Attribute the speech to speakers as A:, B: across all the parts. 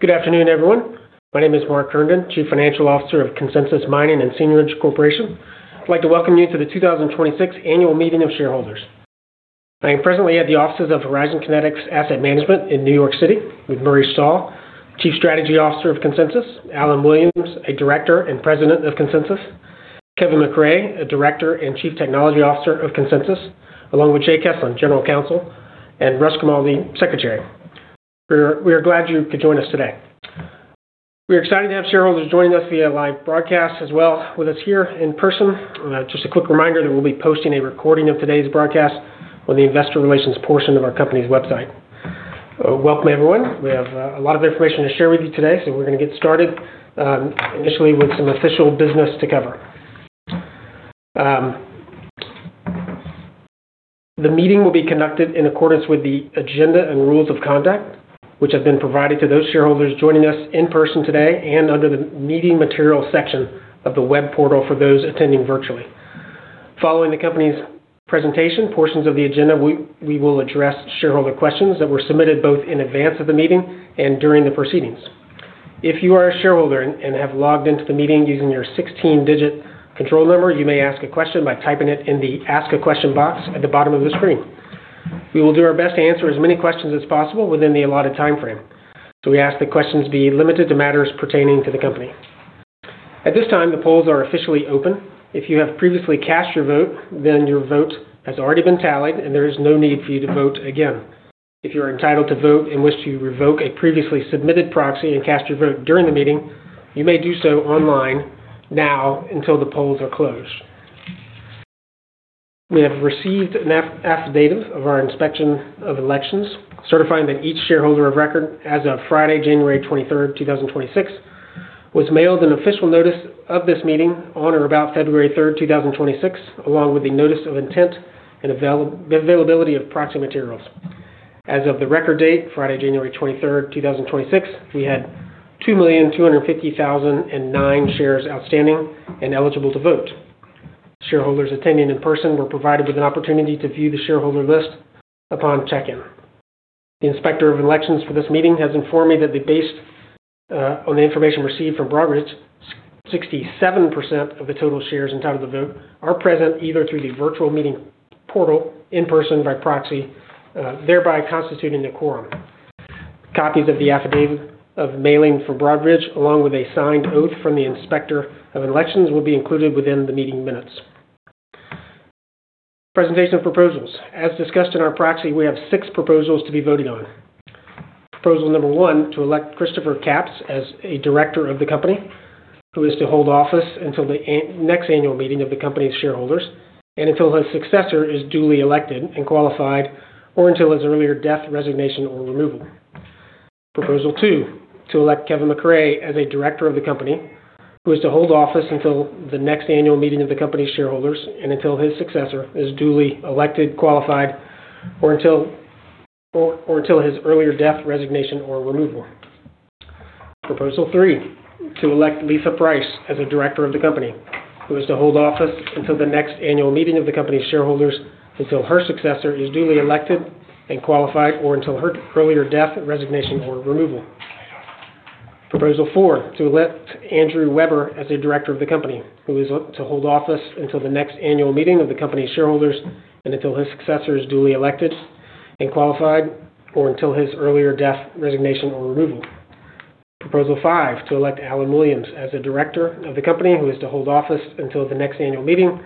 A: Good afternoon, everyone. My name is Mark Herndon, Chief Financial Officer of Consensus Mining & Seigniorage Corporation. I'd like to welcome you to the 2026 annual meeting of shareholders. I am presently at the offices of Horizon Kinetics Asset Management in New York City with Murray Stahl, Chief Strategy Officer of Consensus Mining & Seigniorage Corp., Alan Williams, a director and President of Consensus Mining & Seigniorage Corp., Kevin McRae, a director and Chief Technology Officer of Consensus Mining & Seigniorage Corp., along with Jay Kesslen, General Counsel, and Russ Kamaldi, Secretary. We're glad you could join us today. We're excited to have shareholders joining us via live broadcast as well with us here in person. Just a quick reminder that we'll be posting a recording of today's broadcast on the investor relations portion of our company's website. Welcome, everyone. We have a lot of information to share with you today, so we're gonna get started initially with some official business to cover. The meeting will be conducted in accordance with the agenda and rules of conduct, which have been provided to those shareholders joining us in person today and under the meeting materials section of the web portal for those attending virtually. Following the company's presentation portions of the agenda, we will address shareholder questions that were submitted both in advance of the meeting and during the proceedings. If you are a shareholder and have logged into the meeting using your 16-digit control number, you may ask a question by typing it in the Ask a Question box at the bottom of the screen. We will do our best to answer as many questions as possible within the allotted timeframe. We ask the questions be limited to matters pertaining to the company. At this time, the polls are officially open. If you have previously cast your vote, then your vote has already been tallied, and there is no need for you to vote again. If you are entitled to vote and wish to revoke a previously submitted proxy and cast your vote during the meeting, you may do so online now until the polls are closed. We have received an affidavit from our inspector of elections, certifying that each shareholder of record as of Friday, January 23rd, 2026, was mailed an official notice of this meeting on or about February 3, 2026, along with the Notice of Internet Availability of proxy materials. As of the record date, Friday, January 23rd, 2026, we had 2,250,009 shares outstanding and eligible to vote. Shareholders attending in person were provided with an opportunity to view the shareholder list upon check-in. The Inspector of Elections for this meeting has informed me that based on the information received from Broadridge, 67% of the total shares entitled to vote are present either through the virtual meeting portal, in person, by proxy, thereby constituting a quorum. Copies of the affidavit of mailing for Broadridge, along with a signed oath from the Inspector of Elections, will be included within the meeting minutes. Presentation of proposals. As discussed in our proxy, we have six proposals to be voted on. Proposal number one, to elect Christopher Capps as a director of the company, who is to hold office until the next annual meeting of the company's shareholders and until his successor is duly elected and qualified, or until his earlier death, resignation, or removal. Proposal two, to elect Kevin McRae as a director of the company, who is to hold office until the next annual meeting of the company's shareholders and until his successor is duly elected, qualified, or until his earlier death, resignation, or removal. Proposal three, to elect Lisa Price as a director of the company, who is to hold office until the next annual meeting of the company's shareholders, until her successor is duly elected and qualified, or until her earlier death, resignation, or removal. Proposal four, to elect Andrew Webber as a director of the company, who is to hold office until the next annual meeting of the company's shareholders and until his successor is duly elected and qualified, or until his earlier death, resignation, or removal. Proposal five, to elect Alun Williams as a director of the company, who is to hold office until the next annual meeting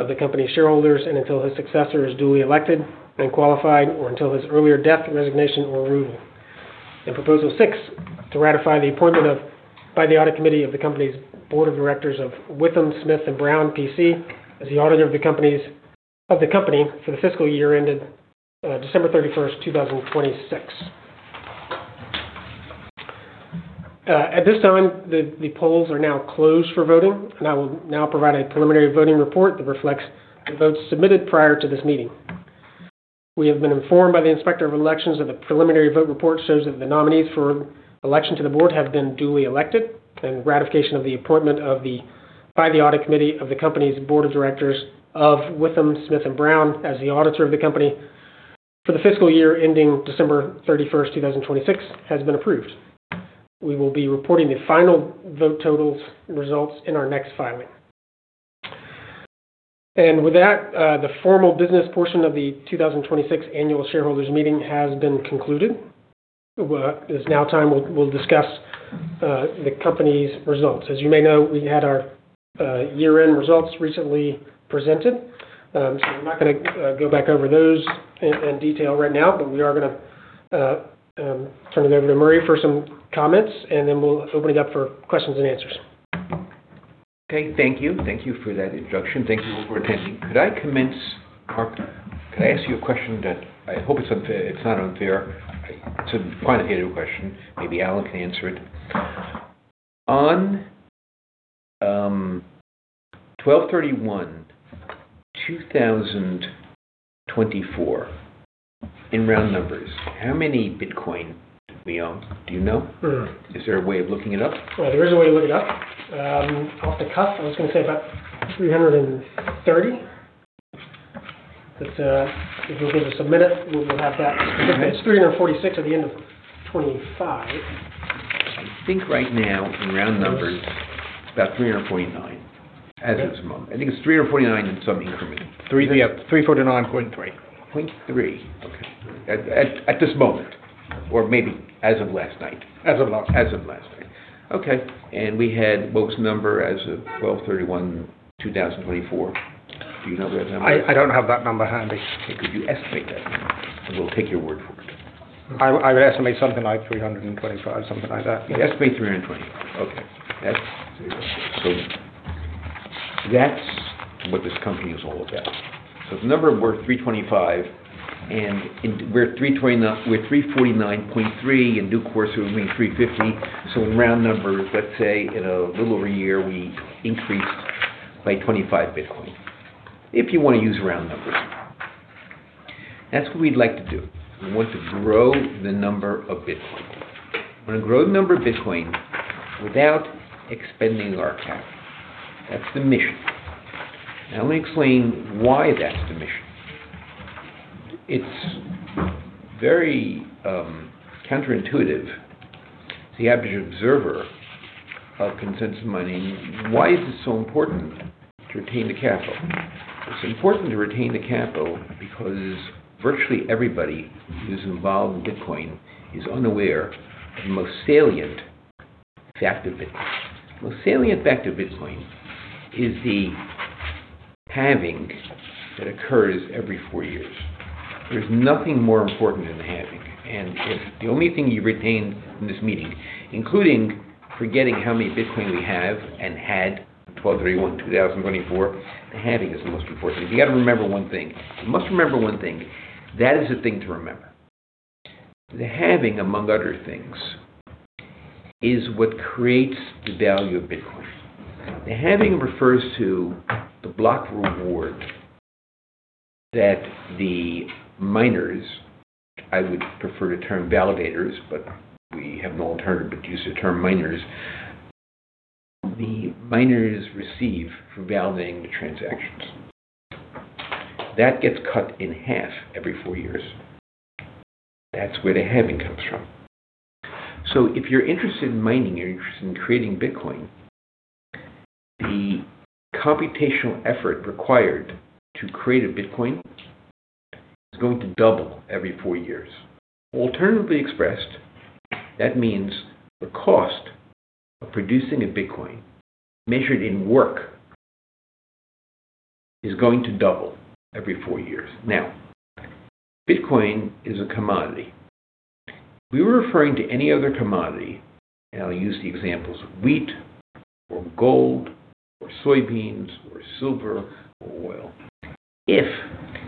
A: of the company's shareholders and until his successor is duly elected and qualified, or until his earlier death, resignation, or removal. Proposal six, to ratify the appointment by the audit committee of the company's board of directors of WithumSmith+Brown, PC as the auditor of the company for the fiscal year ended December 31st, 2026. At this time, the polls are now closed for voting, and I will now provide a preliminary voting report that reflects the votes submitted prior to this meeting. We have been informed by the Inspector of Elections that the preliminary vote report shows that the nominees for election to the board have been duly elected and ratification of the appointment, by the audit committee of the company's board of directors, of WithumSmith+Brown as the auditor of the company for the fiscal year ending December 31st, 2026, has been approved. We will be reporting the final vote totals results in our next filing. With that, the formal business portion of the 2026 annual shareholders meeting has been concluded. It's now time we'll discuss the company's results. As you may know, we had our year-end results recently presented. I'm not gonna go back over those in detail right now, but we are gonna turn it over to Murray for some comments, and then we'll open it up for questions and answers.
B: Okay. Thank you. Thank you for that introduction. Thank you for attending. Could I commence, Mark?
A: Yes.
B: Can I ask you a question that I hope it's not unfair. It's a finite question. Maybe Alun can answer it. On 12/31/2024, in round numbers, how many Bitcoin did we own? Do you know?
A: Mm-hmm.
B: Is there a way of looking it up?
A: Well, there is a way to look it up. Off the cuff, I was gonna say about 330. If you'll give us a minute, we'll have that. It's 346 at the end of 2025.
B: I think right now in round numbers, it's about 349 as of this moment. I think it's 349 in some increment.
A: 349.3.
B: Okay. At this moment or maybe as of last night.
A: As of last night.
B: As of last night. Okay. We had folks' number as of 12/31/2024. Do you know that number?
A: I don't have that number handy.
B: Okay. Could you estimate that number and we'll take your word for it?
A: I would estimate something like 325, something like that.
B: You estimate 325. Okay. That's what this company is all about. The number of work, 325, and we're 349.3. In due course, we'll be 350. In round numbers, let's say in a little over a year, we increased by 25 Bitcoin, if you want to use round numbers. That's what we'd like to do. We want to grow the number of Bitcoin. We want to grow the number of Bitcoin without expending our capital. That's the mission. Now, let me explain why that's the mission. It's very counterintuitive to the average observer of Consensus Mining. Why is it so important to retain the capital? It's important to retain the capital because virtually everybody who's involved in Bitcoin is unaware of the most salient fact of Bitcoin. The most salient fact of Bitcoin is the halving that occurs every four years. There's nothing more important than the halving. If the only thing you retain from this meeting, including forgetting how many Bitcoin we have and had on 12/31/2024, the halving is the most important thing. If you've got to remember one thing, you must remember one thing, that is the thing to remember. The halving, among other things, is what creates the value of Bitcoin. The halving refers to the block reward that the miners, I would prefer the term validators, but we have no alternative but to use the term miners, the miners receive for validating the transactions. That gets cut in half every four years. That's where the halving comes from. If you're interested in mining, you're interested in creating Bitcoin, the computational effort required to create a Bitcoin is going to double every four years. Alternatively expressed, that means the cost of producing a Bitcoin measured in work is going to double every four years. Now, Bitcoin is a commodity. If we were referring to any other commodity, and I'll use the examples of wheat or gold or soybeans or silver or oil, if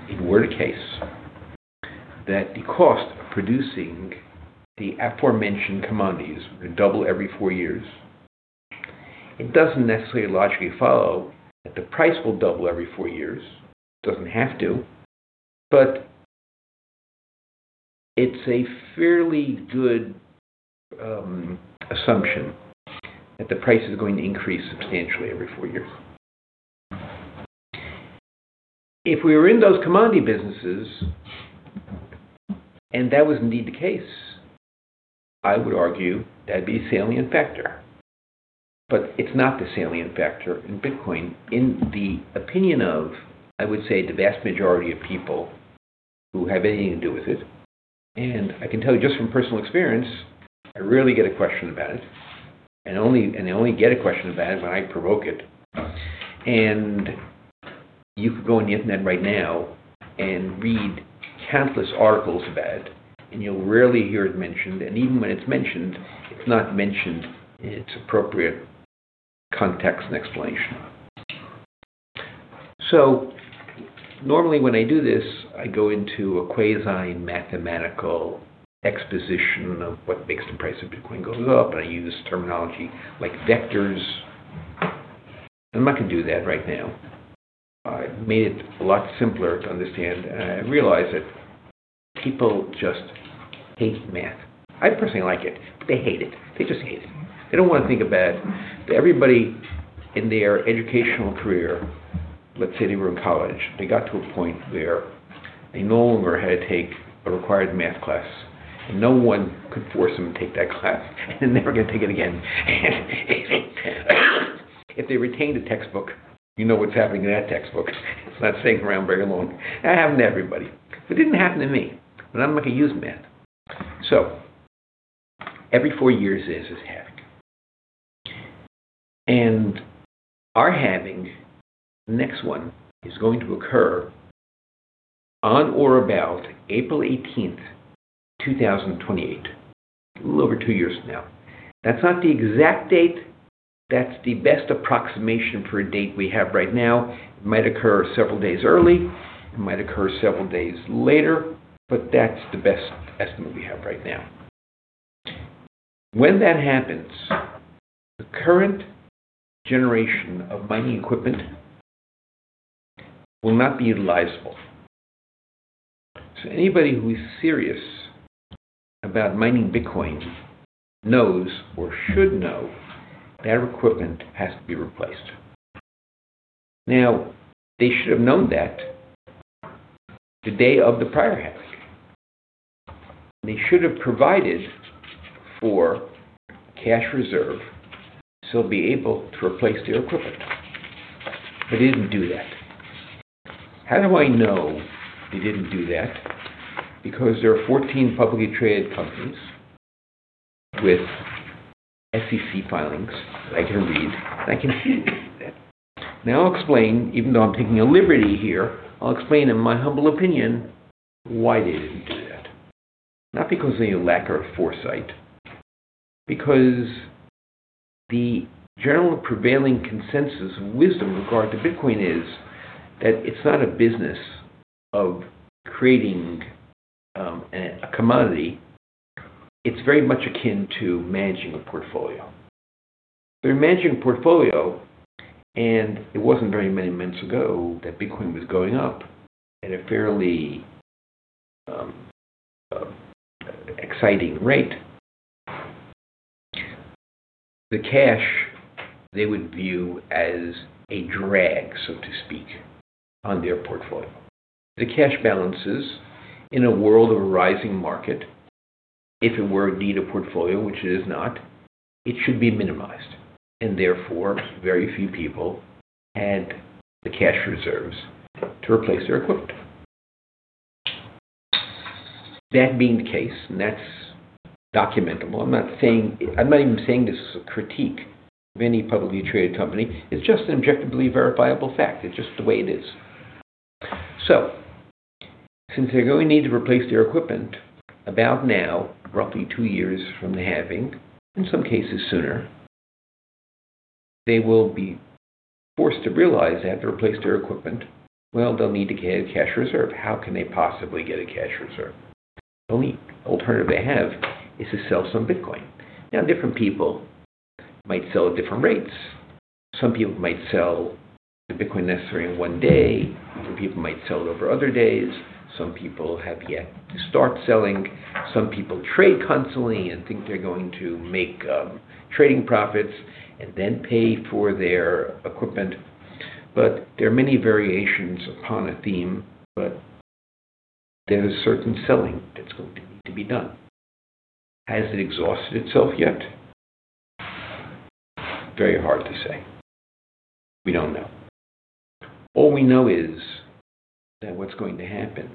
B: it were the case that the cost of producing the aforementioned commodities were to double every four years, it doesn't necessarily logically follow that the price will double every four years. It doesn't have to, but it's a fairly good assumption that the price is going to increase substantially every four years. If we were in those commodity businesses and that was indeed the case, I would argue that'd be a salient factor, but it's not the salient factor in Bitcoin in the opinion of, I would say, the vast majority of people who have anything to do with it. I can tell you just from personal experience, I rarely get a question about it, and I only get a question about it when I provoke it. You could go on the internet right now and read countless articles about it, and you'll rarely hear it mentioned. Even when it's mentioned, it's not mentioned in its appropriate context and explanation. Normally when I do this, I go into a quasi-mathematical exposition of what makes the price of Bitcoin go up, and I use terminology like vectors. I'm not going to do that right now. I've made it a lot simpler to understand, and I realize that people just hate math. I personally like it, but they hate it. They just hate it. They don't want to think about it. Everybody in their educational career, let's say they were in college, they got to a point where they no longer had to take a required math class, and no one could force them to take that class, and they're never going to take it again. If they retained a textbook, you know what's happening to that textbook. It's not staying around very long. That happened to everybody. It didn't happen to me, but I'm like a used man. Every four years is this halving. Our halving, the next one, is going to occur on or about April 18th, 2028, a little over two years from now. That's not the exact date. That's the best approximation for a date we have right now. It might occur several days early. It might occur several days later, but that's the best estimate we have right now. When that happens, the current generation of mining equipment will not be utilizable. Anybody who is serious about mining Bitcoin knows or should know that equipment has to be replaced. Now, they should have known that the day of the prior hacking. They should have provided for cash reserve so they'll be able to replace their equipment. They didn't do that. How do I know they didn't do that? Because there are 14 publicly traded companies with SEC filings that I can read, and I can see they didn't do that. Now I'll explain, even though I'm taking a liberty here, I'll explain in my humble opinion why they didn't do that. Not because of any lack or foresight, because the general prevailing consensus and wisdom with regard to Bitcoin is that it's not a business of creating a commodity. It's very much akin to managing a portfolio. In managing a portfolio, it wasn't very many months ago that Bitcoin was going up at a fairly exciting rate, the cash they would view as a drag, so to speak, on their portfolio. The cash balances in a world of a rising market, if it were indeed a portfolio, which it is not, it should be minimized, and therefore, very few people had the cash reserves to replace their equipment. That being the case, and that's documentable. I'm not saying. I'm not even saying this as a critique of any publicly traded company. It's just an objectively verifiable fact. It's just the way it is. Since they're going to need to replace their equipment about now, roughly two years from the halving, in some cases sooner, they will be forced to realize they have to replace their equipment. Well, they'll need to get a cash reserve. How can they possibly get a cash reserve? The only alternative they have is to sell some Bitcoin. Now, different people might sell at different rates. Some people might sell the Bitcoin necessary in one day. Different people might sell it over other days. Some people have yet to start selling. Some people trade constantly and think they're going to make trading profits and then pay for their equipment. There are many variations upon a theme, but there's a certain selling that's going to need to be done. Has it exhausted itself yet? Very hard to say. We don't know. All we know is that what's going to happen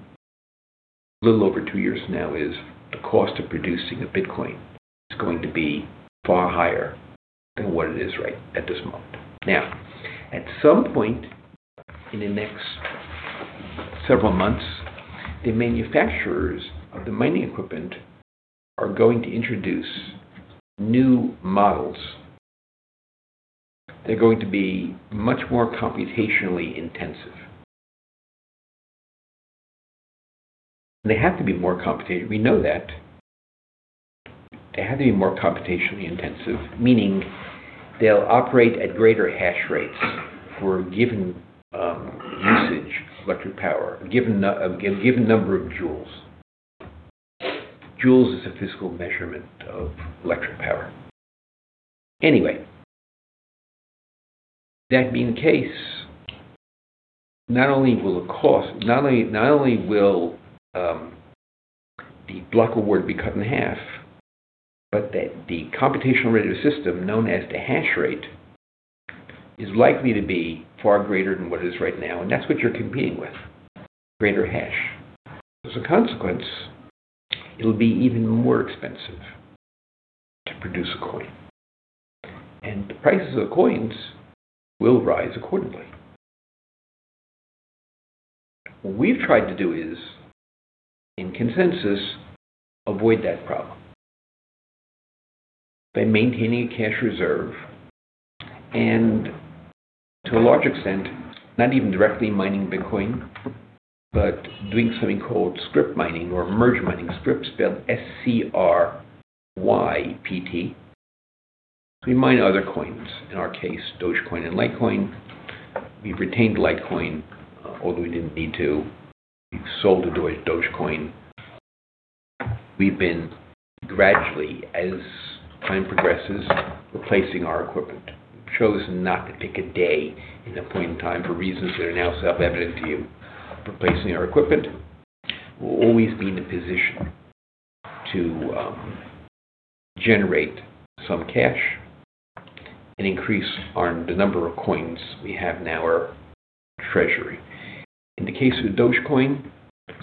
B: a little over two years from now is the cost of producing a Bitcoin is going to be far higher than what it is right at this moment. Now, at some point in the next several months, the manufacturers of the mining equipment are going to introduce new models. They're going to be much more computationally intensive. They have to be more computational. We know that. They have to be more computationally intensive, meaning they'll operate at greater hash rates for a given usage of electric power, a given number of joules. Joules is a physical measurement of electric power. Anyway, that being the case, not only will the block reward be cut in half, but that the computational rate of the system known as the hash rate is likely to be far greater than what it is right now, and that's what you're competing with, greater hash. As a consequence, it'll be even more expensive to produce a coin, and the prices of the coins will rise accordingly. What we've tried to do is, in Consensus, avoid that problem by maintaining a cash reserve and to a large extent, not even directly mining Bitcoin, but doing something called Scrypt mining or merge mining. Scrypt is spelled S-C-R-Y-P-T. So we mine other coins, in our case, Dogecoin and Litecoin. We've retained Litecoin, although we didn't need to. We've sold the Dogecoin. We've been gradually, as time progresses, replacing our equipment. We've chosen not to pick a day and a point in time for reasons that are now self-evident to you. Replacing our equipment, we'll always be in the position to, generate some cash and increase our, the number of coins we have in our treasury. In the case of Dogecoin,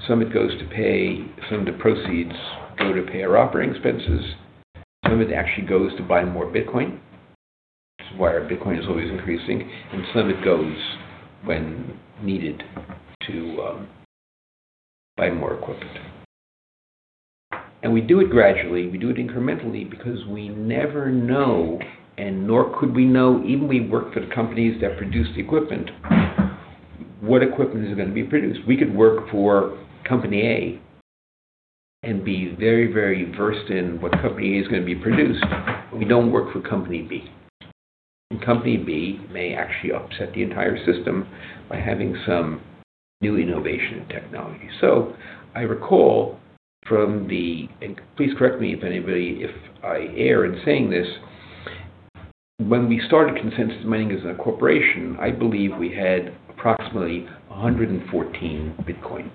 B: some of it goes to pay, some of the proceeds go to pay our operating expenses. Some of it actually goes to buy more Bitcoin. This is why our Bitcoin is always increasing, and some of it goes when needed to buy more equipment. We do it gradually. We do it incrementally because we never know, and nor could we know, even if we work for the companies that produce the equipment, what equipment is gonna be produced. We could work for company A and be very, very versed in what company A is going to produce, but we don't work for company B. Company B may actually upset the entire system by having some new innovation in technology. I recall from the, and please correct me if anybody, if I err in saying this, when we started Consensus Mining as a corporation, I believe we had approximately 114 Bitcoin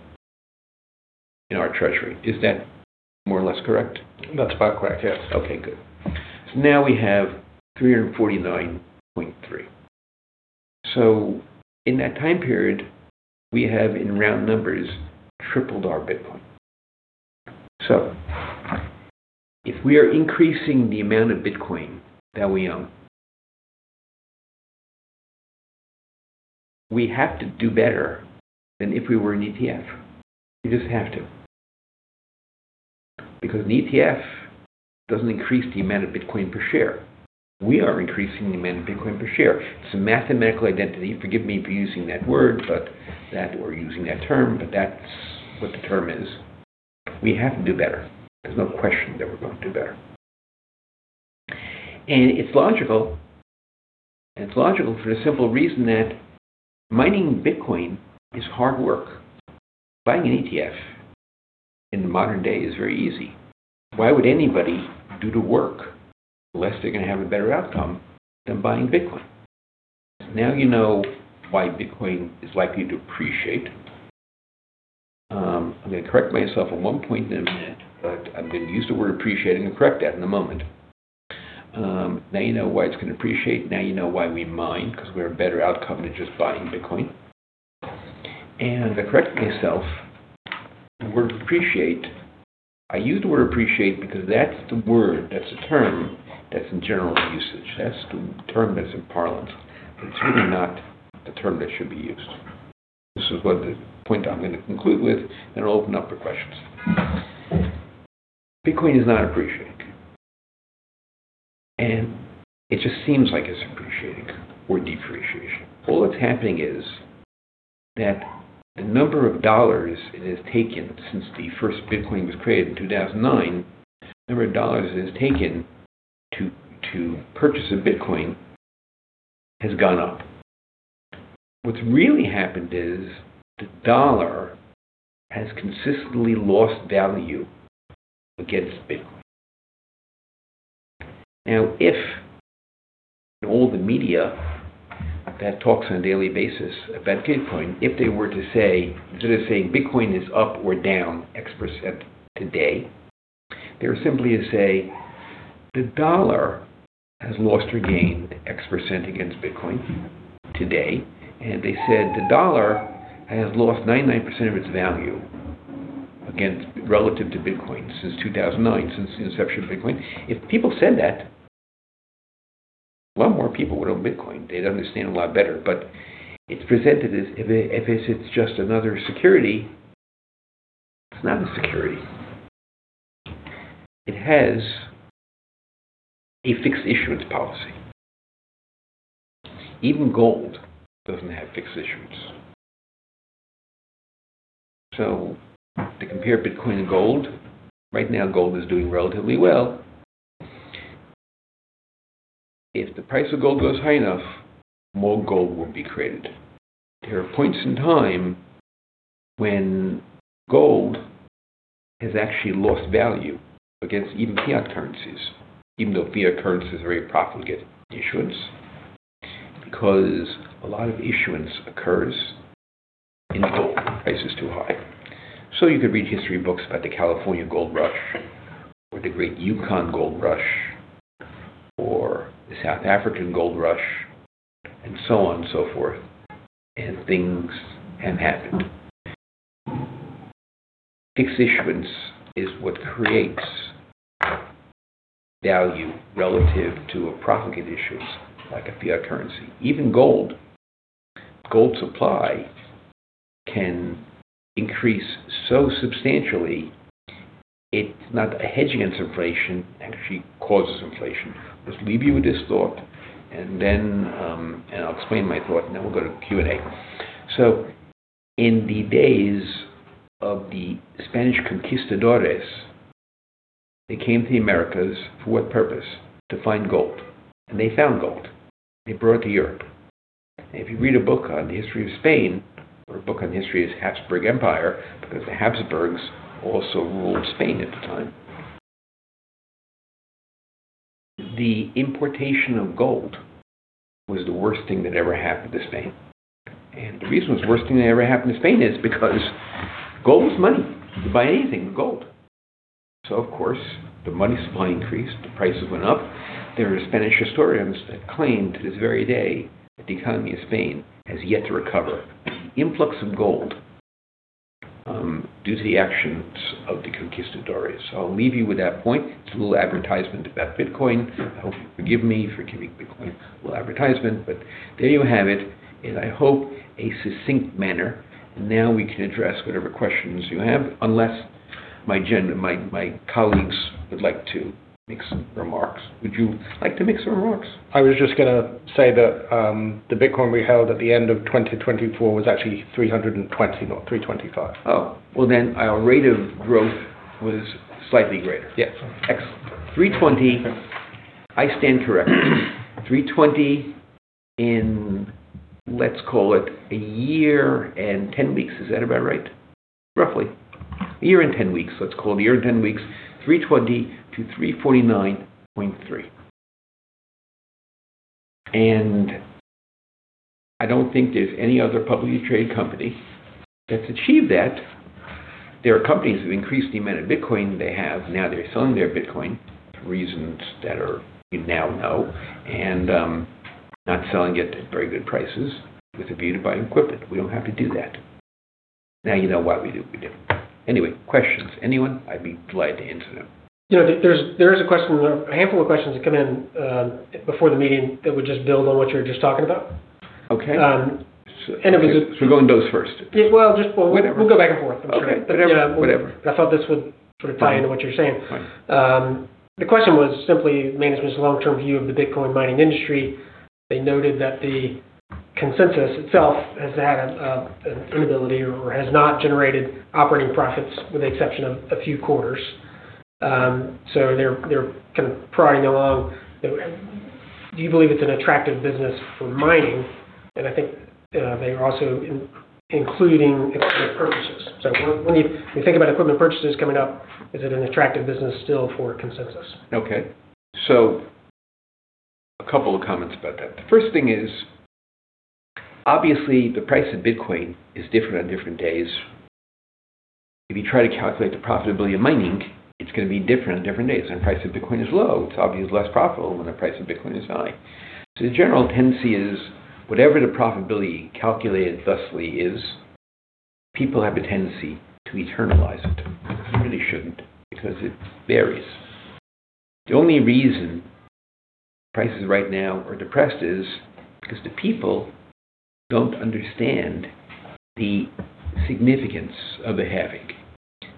B: in our treasury. Is that more or less correct? That's about correct, yes. Okay, good. Now we have 349.3. In that time period, we have, in round numbers, tripled our Bitcoin. If we are increasing the amount of Bitcoin that we own, we have to do better than if we were an ETF. We just have to. Because an ETF doesn't increase the amount of Bitcoin per share. We are increasing the amount of Bitcoin per share. It's a mathematical identity. Forgive me for using that word, but that, or using that term, but that's what the term is. We have to do better. There's no question that we're going to do better. It's logical. It's logical for the simple reason that mining Bitcoin is hard work. Buying an ETF in the modern day is very easy. Why would anybody do the work unless they're going to have a better outcome than buying Bitcoin? Now you know why Bitcoin is likely to appreciate. I'm going to correct myself on one point in a minute, but I've been using the word appreciating and correct that in a moment. Now you know why it's going to appreciate. Now you know why we mine, because we're a better outcome than just buying Bitcoin. I correct myself. The word appreciate, I use the word appreciate because that's the word, that's the term that's in general usage. That's the term that's in parlance, but it's really not the term that should be used. This is the point I'm going to conclude with, and I'll open up for questions. Bitcoin is not appreciating. It just seems like it's appreciating or depreciating. All that's happening is that the number of dollars it has taken since the first Bitcoin was created in 2009, the number of dollars it has taken to purchase a Bitcoin has gone up. What's really happened is the dollar has consistently lost value against Bitcoin. Now, if all the media that talks on a daily basis about Bitcoin, if they were to say, instead of saying Bitcoin is up or down X% today, they were simply to say the dollar has lost or gained X% against Bitcoin today. They said the dollar has lost 99% of its value against relative to Bitcoin since 2009, since the inception of Bitcoin. If people said that, a lot more people would own Bitcoin. They'd understand a lot better. It's presented as if it's just another security. It's not a security. It has a fixed issuance policy. Even gold doesn't have fixed issuance. To compare Bitcoin and gold, right now gold is doing relatively well. If the price of gold goes high enough, more gold won't be created. There are points in time when gold has actually lost value against even fiat currencies, even though fiat currencies are very profligate issuance because a lot of issuance occurs when the gold price is too high. You could read history books about the California gold rush or the great Yukon gold rush or the South African gold rush and so on and so forth. Things have happened. Fixed issuance is what creates value relative to a profligate issuance like a fiat currency. Even gold supply can increase so substantially it's not a hedge against inflation, it actually causes inflation. Let's leave you with this thought and then I'll explain my thought and then we'll go to Q&A. In the days of the Spanish conquistadores, they came to the Americas for what purpose? To find gold. They found gold. They brought it to Europe. If you read a book on the history of Spain or a book on the history of the Habsburg Empire, because the Habsburgs also ruled Spain at the time, the importation of gold was the worst thing that ever happened to Spain. The reason it was the worst thing that ever happened to Spain is because gold was money. You could buy anything with gold. Of course, the money supply increased, the prices went up. There are Spanish historians that claim to this very day that the economy of Spain has yet to recover. The influx of gold due to the actions of the conquistadores. I'll leave you with that point. It's a little advertisement about Bitcoin. I hope you forgive me for giving Bitcoin a little advertisement. There you have it in, I hope, a succinct manner. Now we can address whatever questions you have, unless my colleagues would like to make some remarks. Would you like to make some remarks?
C: I was just going to say that the Bitcoin we held at the end of 2024 was actually 320, not 325. Oh, well then our rate of growth was slightly greater. Yeah. Excellent. 320. I stand corrected. 320 in, let's call it a year and ten weeks. Is that about right? Roughly.
B: A year and 10 weeks. Let's call it a year and 10 weeks. 320%-349.3%. I don't think there's any other publicly traded company that's achieved that. There are companies that have increased the amount of Bitcoin they have. Now they're selling their Bitcoin for reasons that are, you know now, and not selling it at very good prices with a view to buying equipment. We don't have to do that. Now you know why we do what we do. Anyway, questions. Anyone? I'd be delighted to answer them.
A: You know, there is a question, a handful of questions that come in before the meeting that would just build on what you were just talking about.
B: Okay.
A: It was.
B: We're going to those first.
A: Well.
B: Whatever.
A: We'll go back and forth. I'm sorry.
B: Okay. Whatever.
A: I thought this would sort of tie into what you're saying.
B: Fine.
A: The question was simply management's long-term view of the Bitcoin mining industry. They noted that the Consensus itself has had an inability or has not generated operating profits with the exception of a few quarters. They're kind of plodding along. Do you believe it's an attractive business for mining? I think they are also including equipment purchases. When you think about equipment purchases coming up, is it an attractive business still for Consensus?
B: Okay. A couple of comments about that. The first thing is, obviously, the price of Bitcoin is different on different days. If you try to calculate the profitability of mining, it's gonna be different on different days. When the price of Bitcoin is low, it's obviously less profitable than when the price of Bitcoin is high. The general tendency is whatever the profitability calculated thusly is, people have a tendency to internalize it. They really shouldn't because it varies. The only reason prices right now are depressed is because the people don't understand the significance of a halving.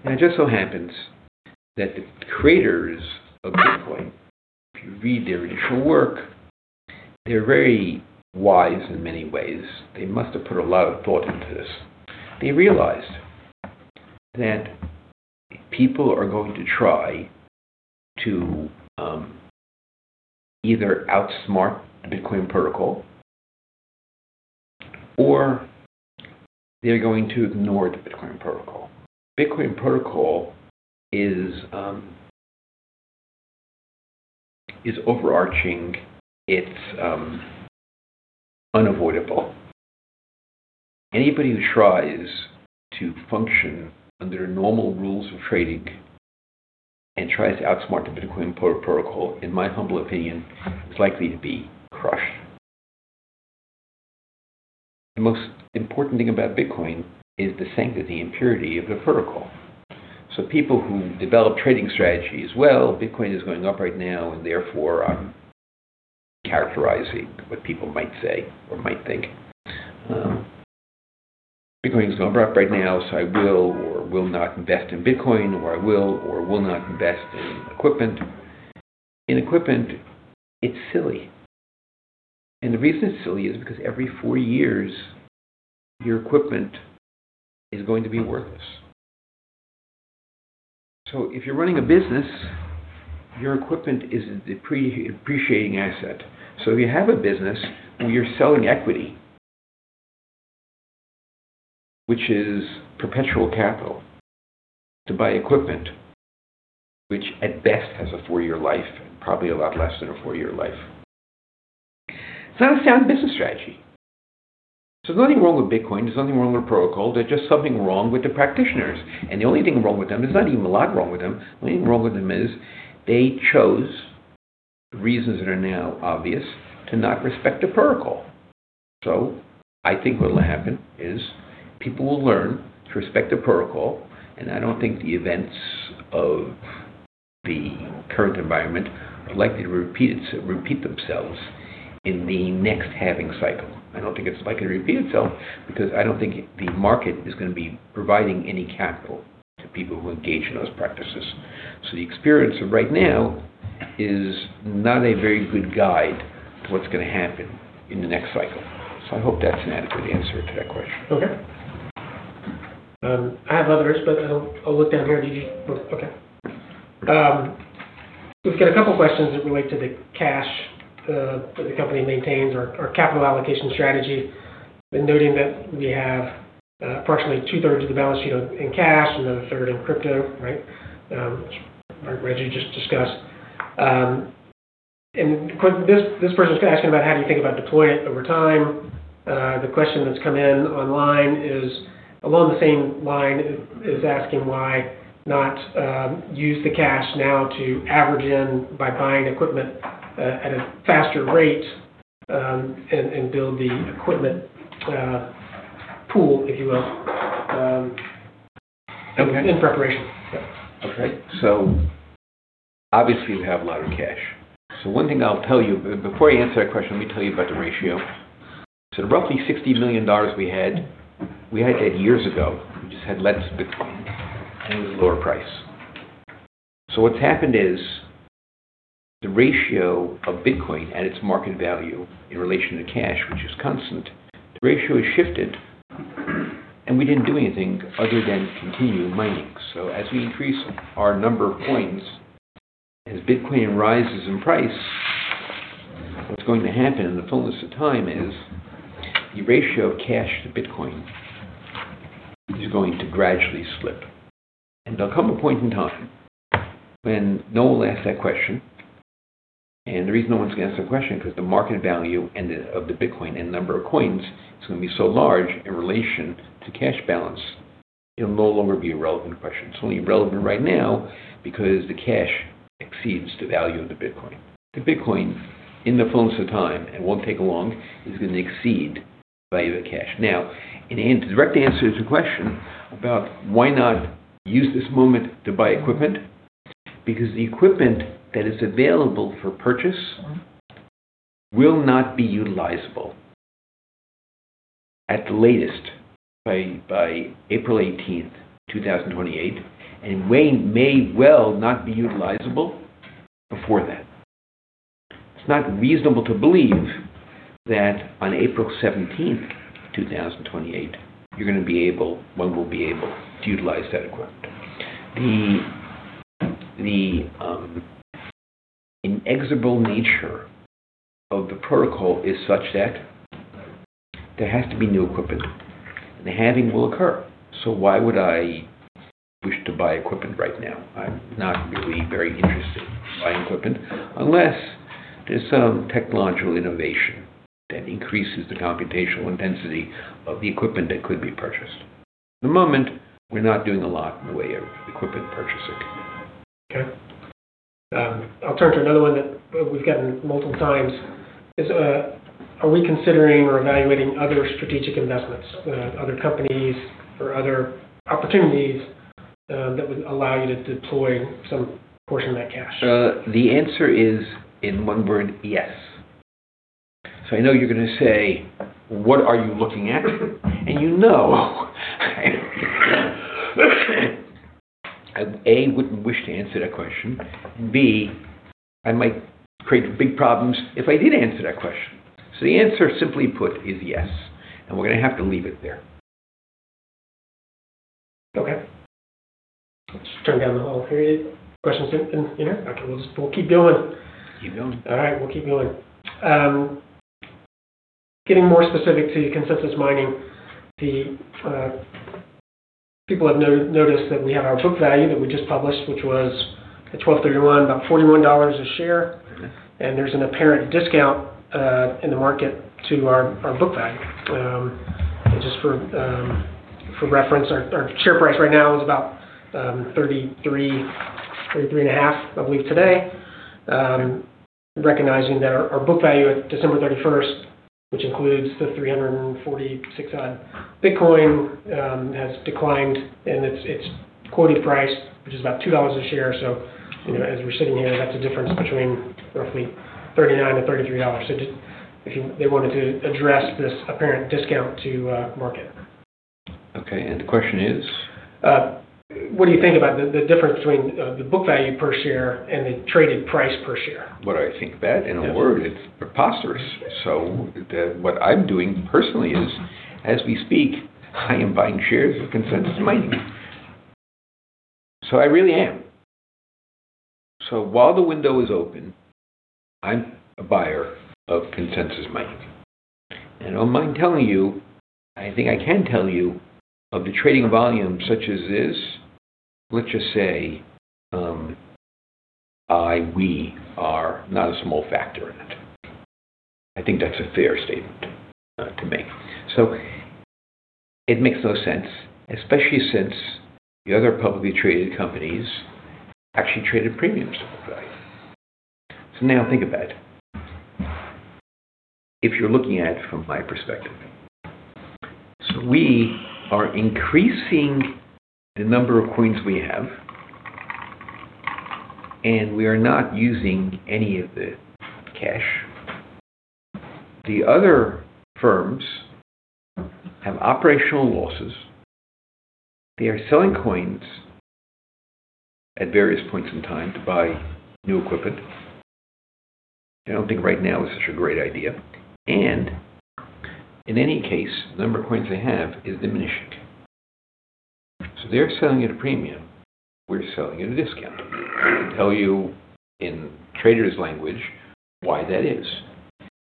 B: Now, it just so happens that the creators of Bitcoin, if you read their initial work, they're very wise in many ways. They must have put a lot of thought into this. They realized that people are going to try to either outsmart the Bitcoin protocol or they're going to ignore the Bitcoin protocol. Bitcoin protocol is overarching. It's unavoidable. Anybody who tries to function under normal rules of trading and tries to outsmart the Bitcoin protocol, in my humble opinion, is likely to be crushed. The most important thing about Bitcoin is the sanctity and purity of the protocol. People who develop trading strategies, well, Bitcoin is going up right now, and therefore I'm characterizing what people might say or might think. Bitcoin is going up right now, so I will or will not invest in Bitcoin, or I will or will not invest in equipment. In equipment, it's silly. The reason it's silly is because every four years, your equipment is going to be worthless. If you're running a business, your equipment is a depreciating asset. If you have a business and you're selling equity, which is perpetual capital, to buy equipment, which at best has a four-year life, probably a lot less than a four-year life, it's not a sound business strategy. There's nothing wrong with Bitcoin. There's nothing wrong with the protocol. There's just something wrong with the practitioners. The only thing wrong with them, there's not even a lot wrong with them. The only thing wrong with them is they chose reasons that are now obvious to not respect the protocol. I think what will happen is people will learn to respect the protocol, and I don't think the events of the current environment are likely to repeat themselves in the next halving cycle. I don't think it's likely to repeat itself because I don't think the market is gonna be providing any capital to people who engage in those practices. The experience of right now is not a very good guide to what's gonna happen in the next cycle. I hope that's an adequate answer to that question.
A: Okay. I have others, but I'll look down here. Okay. We've got a couple questions that relate to the cash that the company maintains or capital allocation strategy. Noting that we have approximately two-thirds of the balance sheet in cash and another third in crypto, right? Which Reggie just discussed. This person's asking about how do you think about deploying it over time. The question that's come in online is along the same line. It's asking why not use the cash now to average in by buying equipment at a faster rate and build the equipment pool, if you will, in preparation.
B: Okay. Obviously, we have a lot of cash. One thing I'll tell you, before I answer that question, let me tell you about the ratio. The roughly $60 million we had, we had that years ago. We just had less Bitcoin, and it was a lower price. What's happened is the ratio of Bitcoin at its market value in relation to cash, which is constant. The ratio has shifted and we didn't do anything other than continue mining. As we increase our number of coins, as Bitcoin rises in price, what's going to happen in the fullness of time is the ratio of cash to Bitcoin is going to gradually slip. There'll come a point in time when no one will ask that question. The reason no one's going to ask that question is because the market value of the Bitcoin and number of coins is going to be so large in relation to cash balance, it'll no longer be a relevant question. It's only relevant right now because the cash exceeds the value of the Bitcoin. The Bitcoin in the fullness of time, and won't take long, is going to exceed the value of the cash. Now, in direct answer to the question about why not use this moment to buy equipment, because the equipment that is available for purchase will not be utilizable at the latest by April 18th, 2028, and may well not be utilizable before that. It's not reasonable to believe that on April 17th, 2028, one will be able to utilize that equipment. The inexorable nature of the protocol is such that there has to be new equipment. The halving will occur. Why would I wish to buy equipment right now? I'm not really very interested in buying equipment unless there's some technological innovation that increases the computational intensity of the equipment that could be purchased. At the moment, we're not doing a lot in the way of equipment purchasing.
A: Okay. I'll turn to another one that we've gotten multiple times. Are we considering or evaluating other strategic investments, other companies or other opportunities that would allow you to deploy some portion of that cash?
B: The answer is, in one word, yes. I know you're going to say, what are you looking at? You know I, A, wouldn't wish to answer that question. B, I might create big problems if I did answer that question. The answer, simply put, is yes. We're going to have to leave it there.
A: Okay. Let's turn down the whole period. Questions in here? Okay, we'll keep going.
B: Keep going.
A: All right, we'll keep going. Getting more specific to Consensus Mining & Seigniorage, people have noticed that we have our book value that we just published, which was at $12.31, about $41 a share. There's an apparent discount in the market to our book value. Just for reference, our share price right now is about $33, $33.5, I believe, today. Recognizing that our book value at December 31st, which includes the $346 Bitcoin, has declined in its quoted price, which is about $2 a share. As we're sitting here, that's a difference between roughly $39 and $33. If you wanted to address this apparent discount to market.
B: Okay, the question is?
A: What do you think about the difference between the book value per share and the traded price per share?
B: What I think of that, in a word, it's preposterous. What I'm doing personally is, as we speak, I am buying shares of Consensus Mining. I really am. While the window is open, I'm a buyer of Consensus Mining. I don't mind telling you, I think I can tell you, of the trading volume such as this, let's just say I, we, are not a small factor in it. I think that's a fair statement to make. It makes no sense, especially since the other publicly traded companies actually trade at premiums to book value. Now think about it. If you're looking at it from my perspective. We are increasing the number of coins we have, and we are not using any of the cash. The other firms have operational losses. They are selling coins at various points in time to buy new equipment. I don't think right now is such a great idea. In any case, the number of coins they have is diminishing. They're selling at a premium. We're selling at a discount. I can tell you in trader's language why that is.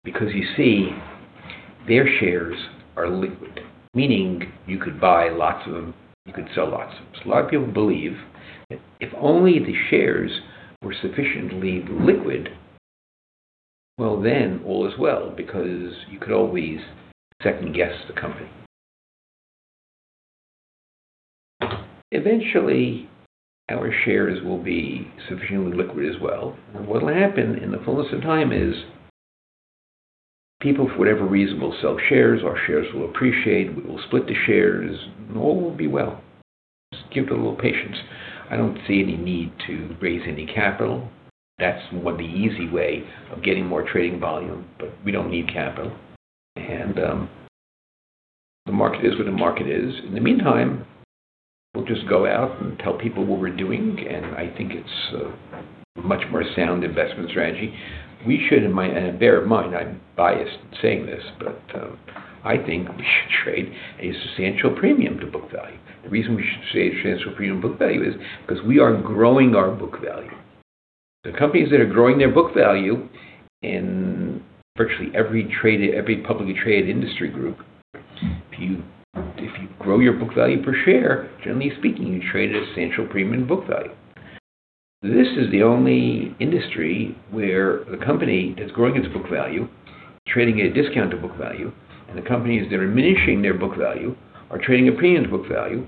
B: Because you see, their shares are liquid, meaning you could buy lots of them. You could sell lots of them. A lot of people believe that if only the shares were sufficiently liquid, well, then all is well because you could always second guess the company. Eventually, our shares will be sufficiently liquid as well. What will happen in the fullness of time is people, for whatever reason, will sell shares. Our shares will appreciate. We will split the shares and all will be well. Just give it a little patience. I don't see any need to raise any capital. That's one of the easy way of getting more trading volume, but we don't need capital. The market is what the market is. In the meantime, we'll just go out and tell people what we're doing, and I think it's a much more sound investment strategy. We should bear in mind, I'm biased saying this, but, I think we should trade a substantial premium to book value. The reason we should trade a substantial premium to book value is because we are growing our book value. The companies that are growing their book value in virtually every publicly traded industry group, if you grow your book value per share, generally speaking, you trade at a substantial premium to book value. This is the only industry where the company that's growing its book value is trading at a discount to book value, and the companies that are diminishing their book value are trading a premium to book value.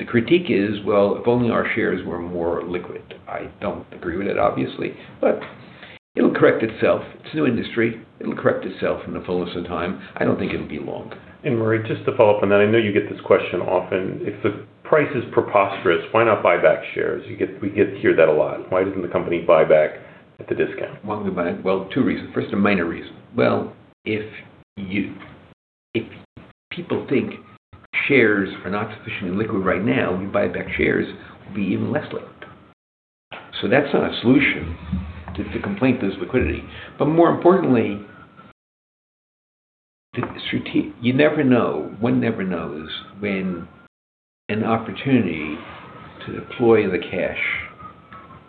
B: The critique is, well, if only our shares were more liquid. I don't agree with it, obviously, but it'll correct itself. It's a new industry. It'll correct itself in the fullness of time. I don't think it'll be long.
C: Murray, just to follow up on that. I know you get this question often. If the price is preposterous, why not buy back shares? We get to hear that a lot. Why doesn't the company buy back at the discount?
B: Why don't we buy? Well, two reasons. First, a minor reason. Well, if people think shares are not sufficiently liquid right now, you buy back shares, will be even less liquid. That's not a solution to the complaint about liquidity. More importantly, you never know. One never knows when an opportunity to deploy the cash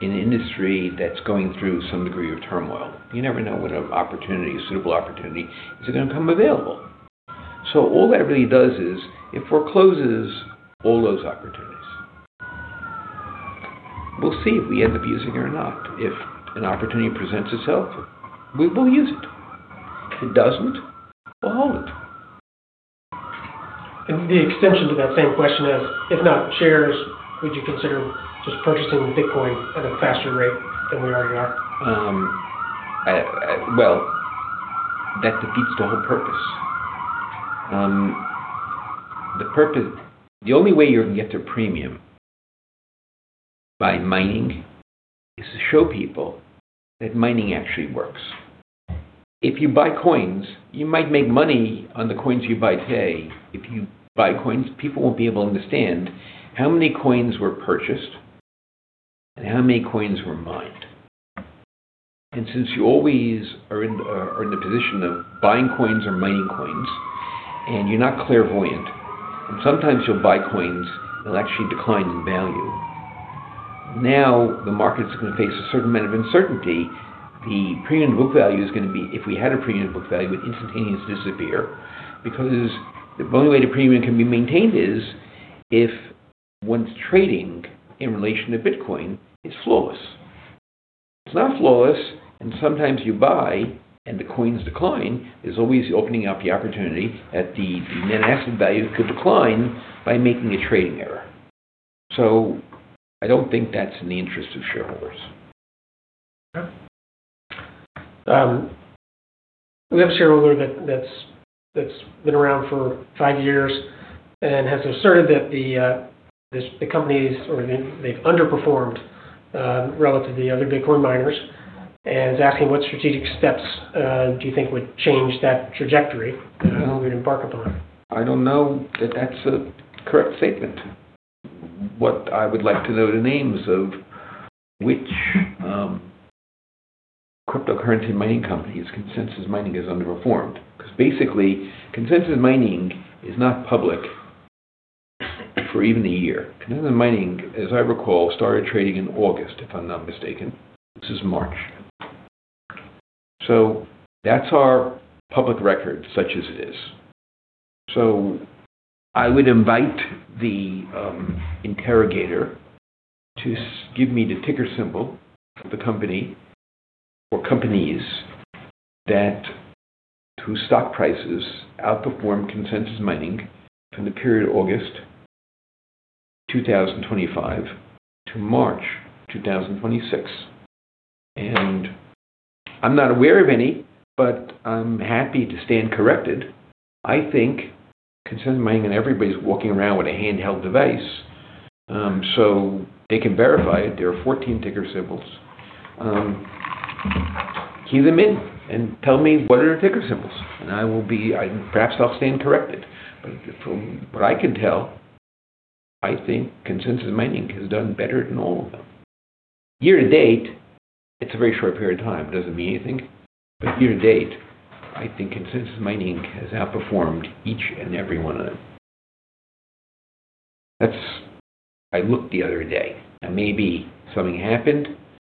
B: in an industry that's going through some degree of turmoil. You never know when an opportunity, a suitable opportunity is gonna come available. All that really does is it forecloses all those opportunities. We'll see if we end up using it or not. If an opportunity presents itself, we'll use it. If it doesn't, we'll hold it.
A: The extension to that same question is, if not shares, would you consider just purchasing Bitcoin at a faster rate than we already are?
B: That defeats the whole purpose. The purpose. The only way you're gonna get their premium by mining is to show people that mining actually works. If you buy coins, you might make money on the coins you buy today. If you buy coins, people won't be able to understand how many coins were purchased and how many coins were mined. And since you always are in the position of buying coins or mining coins, and you're not clairvoyant, and sometimes you'll buy coins that'll actually decline in value. Now, the market's gonna face a certain amount of uncertainty. The premium to book value is gonna be, if we had a premium to book value, it would instantaneously disappear because the only way the premium can be maintained is if one's trading in relation to Bitcoin is flawless. It's not flawless, and sometimes you buy and the coins decline. There's always the opening up the opportunity that the net asset value could decline by making a trading error. I don't think that's in the interest of shareholders.
A: Okay. We have a shareholder that's been around for five years and has asserted that the company or they've underperformed relative to the other Bitcoin miners and is asking what strategic steps do you think would change that trajectory that you would embark upon?
B: I don't know that that's a correct statement. What I would like to know the names of which cryptocurrency mining companies Consensus Mining has underperformed. 'Cause basically, Consensus Mining is not public for even a year. Consensus Mining, as I recall, started trading in August, if I'm not mistaken. This is March. That's our public record, such as it is. I would invite the interrogator to give me the ticker symbol of the company or companies that whose stock prices outperformed Consensus Mining from the period August 2025 to March 2026. I'm not aware of any, but I'm happy to stand corrected. I think Consensus Mining and everybody's walking around with a handheld device, so they can verify it. There are 14 ticker symbols. Key them in and tell me what are their ticker symbols, and perhaps I'll stand corrected. From what I can tell, I think Consensus Mining has done better than all of them. Year to date, it's a very short period of time. It doesn't mean anything. Year to date, I think Consensus Mining has outperformed each and every one of them. That's. I looked the other day. Now, maybe something happened,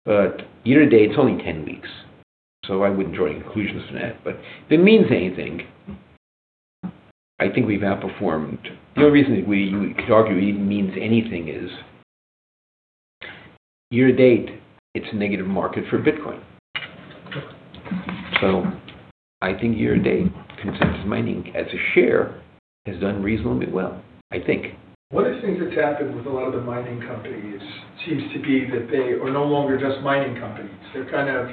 B: but year to date, it's only 10 weeks, so I wouldn't draw any conclusions from that. If it means anything, I think we've outperformed. The only reason that we could argue it even means anything is year to date, it's a negative market for Bitcoin. I think year to date, Consensus Mining as a share has done reasonably well, I think.
C: One of the things that's happened with a lot of the mining companies seems to be that they are no longer just mining companies. They're kind of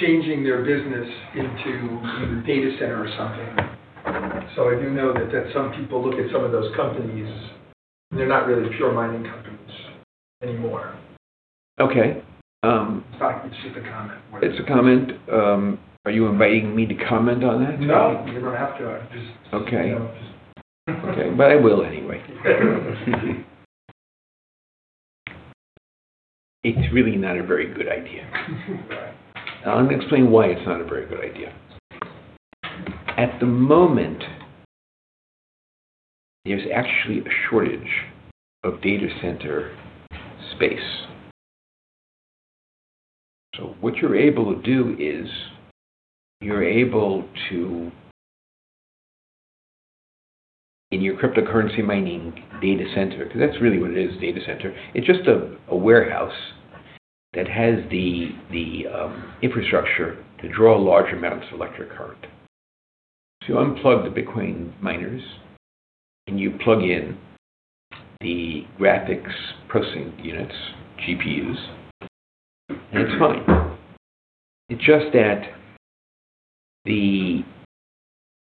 C: changing their business into either data center or something. I do know that some people look at some of those companies.
A: They're not really pure mining companies anymore.
B: Okay.
A: It's just a comment.
B: It's a comment. Are you inviting me to comment on that?
A: No, you don't have to.
B: Okay.
A: Just, you know.
B: Okay. I will anyway. It's really not a very good idea. I'm gonna explain why it's not a very good idea. At the moment, there's actually a shortage of data center space. What you're able to do is in your cryptocurrency mining data center, 'cause that's really what it is, data center. It's just a warehouse that has the infrastructure to draw large amounts of electric current. To unplug the Bitcoin miners, and you plug in the graphics processing units, GPUs, and it's fine. It's just that the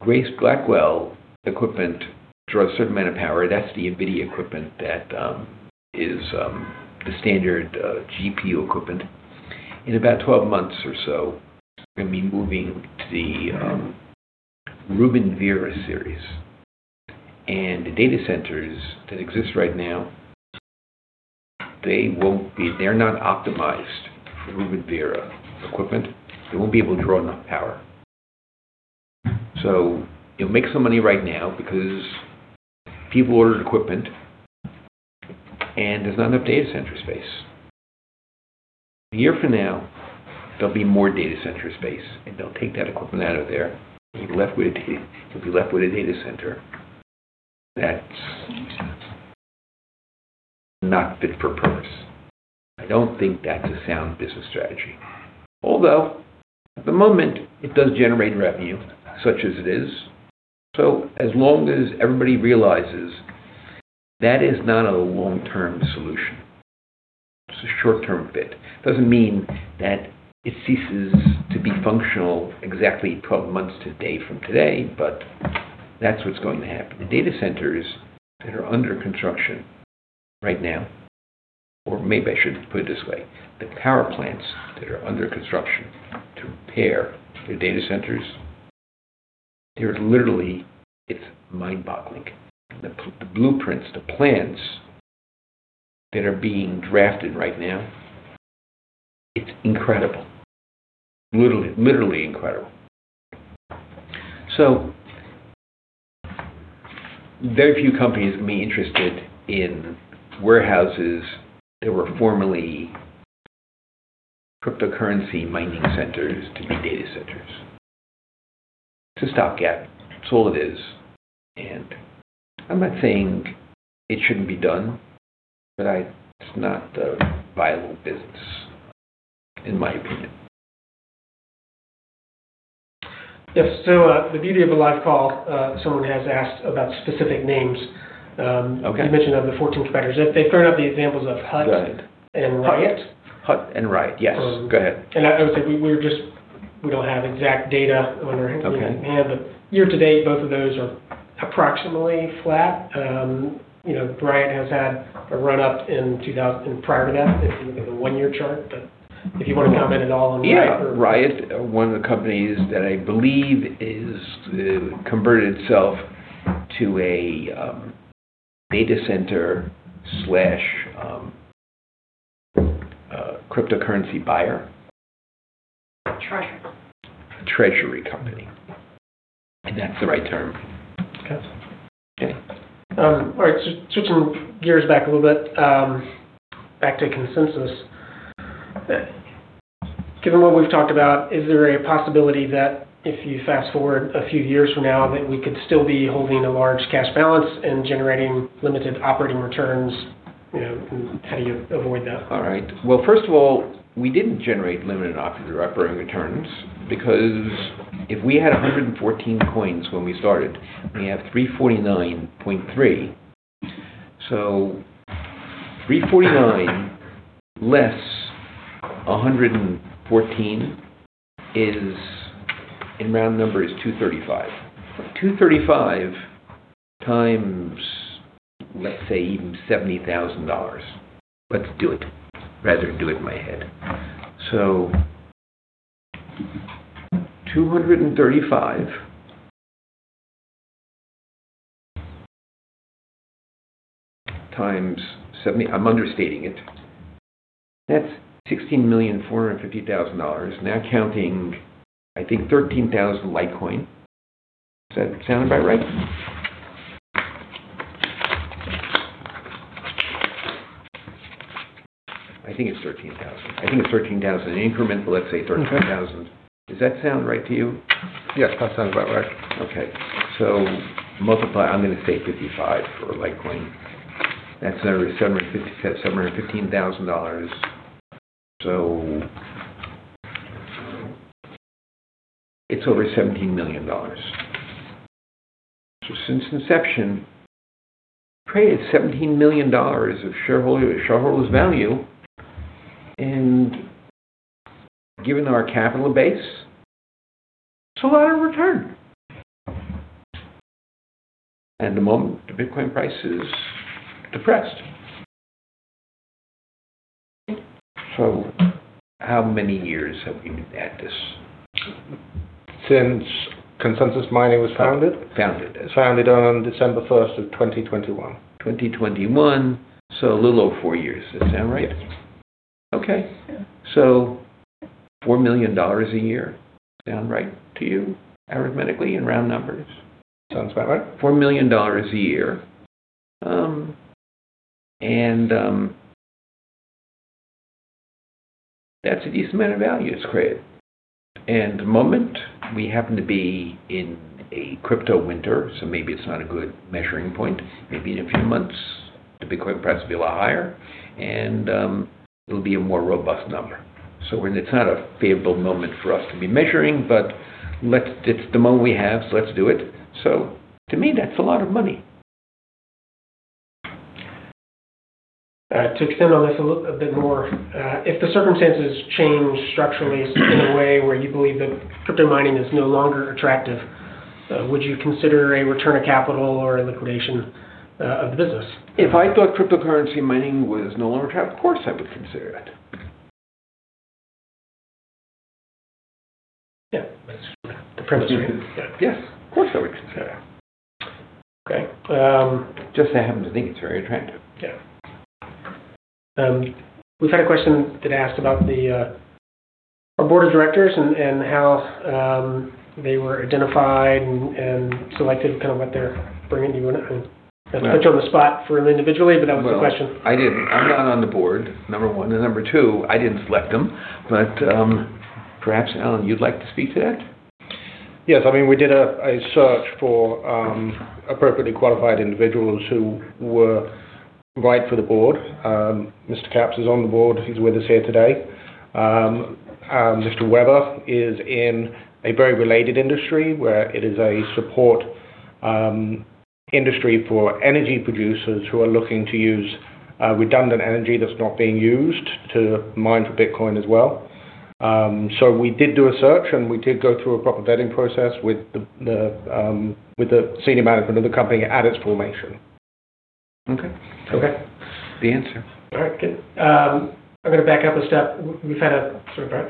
B: Grace Blackwell equipment draws a certain amount of power. That's the NVIDIA equipment that is the standard GPU equipment. In about 12 months or so, they're gonna be moving to the Vera Rubin series. The data centers that exist right now, they're not optimized for Vera Rubin equipment. They won't be able to draw enough power. You'll make some money right now because people ordered equipment, and there's not enough data center space. A year from now, there'll be more data center space, and they'll take that equipment out of there. You'll be left with a data center that's not fit for purpose. I don't think that's a sound business strategy. Although, at the moment, it does generate revenue, such as it is. As long as everybody realizes that is not a long-term solution. It's a short-term fit. Doesn't mean that it ceases to be functional exactly twelve months to the day from today, but that's what's going to happen. The data centers that are under construction right now. Maybe I should put it this way, the power plants that are under construction to power their data centers, they're literally. It's mind-boggling. The blueprints, the plans that are being drafted right now, it's incredible. Literally incredible. Very few companies can be interested in warehouses that were formerly cryptocurrency mining centers to be data centers. It's a stopgap. That's all it is. I'm not saying it shouldn't be done, but it's not a viable business, in my opinion.
A: Yes. The beauty of a live call, someone has asked about specific names.
B: Okay.
A: You mentioned one of the 14 competitors. They've thrown in the examples of Hut 8.
B: Good.
A: Riot.
B: Hut 8 and Riot Platforms. Yes. Go ahead.
A: I would say we don't have exact data on our-
B: Okay.
A: And but year to date, both of those are approximately flat. You know, Riot has had a run up and prior to that if you look at the one-year chart. If you wanna comment at all on Riot or-
B: Yeah. Riot, one of the companies that I believe is converted itself to a data center, cryptocurrency buyer.
A: Treasure.
B: Treasury company. That's the right term.
A: Okay.
B: Okay.
A: All right. Switching gears back a little bit, back to Consensus. Given what we've talked about, is there a possibility that if you fast-forward a few years from now, that we could still be holding a large cash balance and generating limited operating returns? You know, how do you avoid that?
B: All right. Well, first of all, we didn't generate limited operating returns because if we had 114 coins when we started, and we have 349.3. Three forty-nine less 114 is, in round number, 235. 235x, let's say even $70,000. Let's do it, rather than do it in my head. 235x 70. I'm understating it. That's $16,450,000. Now counting, I think, 13,000 Litecoin. Does that sound about right? I think it's 13,000. I think it's 13,000 in increments. Let's say 13,000. Does that sound right to you?
A: Yes, that sounds about right.
B: I'm gonna say 55 for Litecoin. That's another $715,000. It's over $17 million. Since inception, we've created $17 million of shareholder's value. Given our capital base, it's a lot of return. The moment the Bitcoin price is depressed. How many years have we been at this?
A: Since Consensus Mining was founded?
B: Founded.
A: Founded on December 1st, 2021.
B: 2021. A little over four years. Does that sound right?
A: Yes.
B: Okay. $4 million a year sound right to you arithmetically in round numbers?
A: Sounds about right.
B: $4 million a year. That's a decent amount of value. It's great. At the moment we happen to be in a crypto winter, so maybe it's not a good measuring point. Maybe in a few months the Bitcoin price will be a lot higher and it'll be a more robust number. When it's not a favorable moment for us to be measuring, it's the moment we have, so let's do it. To me, that's a lot of money.
A: To extend on this a bit more, if the circumstances change structurally in a way where you believe that crypto mining is no longer attractive, would you consider a return of capital or a liquidation of the business?
B: If I thought cryptocurrency mining was no longer attractive, of course, I would consider it.
A: Yeah. That's the premise.
B: Yes, of course, I would consider it.
A: Okay.
B: Just, I happen to think it's very attractive.
A: Yeah. We've had a question that asked about our board of directors and how they were identified and selected, kind of what they're bringing. Do you wanna put you on the spot for them individually? That was the question.
B: Well, I didn't. I'm not on the board, number one. Number two, I didn't select them. Perhaps, Alan, you'd like to speak to that.
C: Yes. I mean, we did a search for appropriately qualified individuals who were right for the board. Mr. Capps is on the board. He's with us here today. Andrew Webber is in a very related industry where it is a support industry for energy producers who are looking to use redundant energy that's not being used to mine for Bitcoin as well. We did do a search, and we did go through a proper vetting process with the senior management of the company at its formation.
B: Okay.
A: Okay.
B: The answer.
A: All right. Good. I'm gonna back up a step. We've had a sort of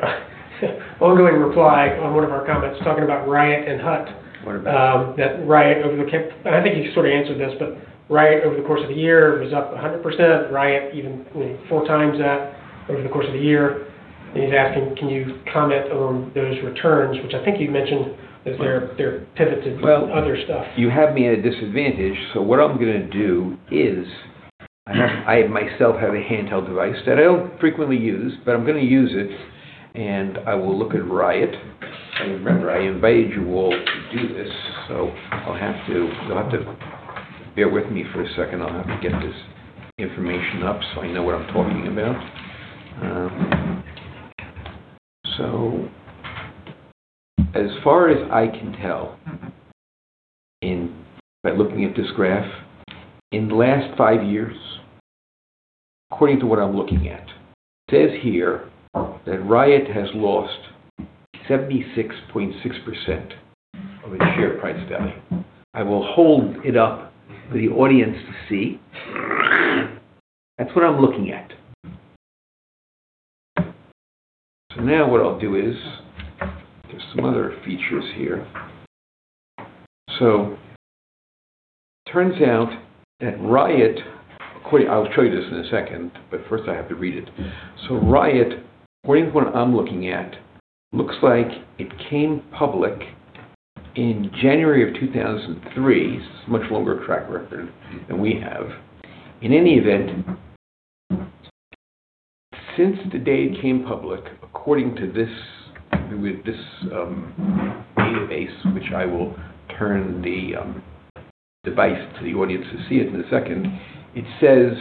A: ongoing reply on one of our comments talking about Riot Platforms and Hut eight.
B: Wonderful.
A: I think you sort of answered this, but Riot over the course of the year was up 100%. Riot even, you know, 4x that over the course of the year. He's asking, can you comment on those returns? Which I think you mentioned that they're pivoted to other stuff.
B: Well, you have me at a disadvantage. What I'm gonna do is I myself have a handheld device that I don't frequently use, but I'm gonna use it, and I will look at Riot. Remember, I invited you all to do this, you'll have to bear with me for a second. I'll have to get this information up so I know what I'm talking about. As far as I can tell by looking at this graph, in the last five years, according to what I'm looking at, it says here that Riot has lost 76.6% of its share price value. I will hold it up for the audience to see. That's what I'm looking at. Now what I'll do is there's some other features here. It turns out that Riot—I'll show you this in a second, but first I have to read it. Riot, according to what I'm looking at, looks like it came public in January 2003. It's a much longer track record than we have. In any event, since the day it came public, according to this—with this database, which I will turn the device to the audience to see it in a second. It says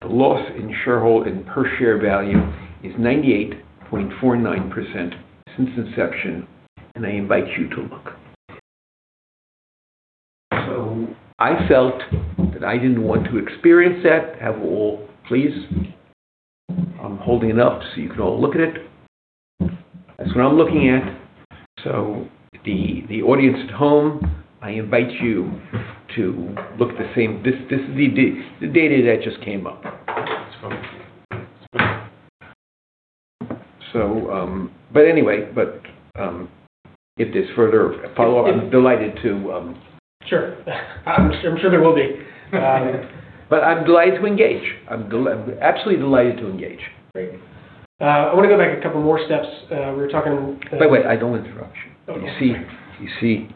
B: the loss in shareholder and per share value is 98.49% since inception, and I invite you to look. I felt that I didn't want to experience that. Please. I'm holding it up so you can all look at it. That's what I'm looking at. The audience at home, I invite you to look the same. This is the data that just came up. If there's further follow-up, I'm delighted to,
A: Sure. I'm sure there will be.
B: I'm delighted to engage. I'm absolutely delighted to engage.
A: Great. I wanna go back a couple more steps. We were talking.
B: By the way, I don't want to interrupt you.
A: Oh, no.
B: You see,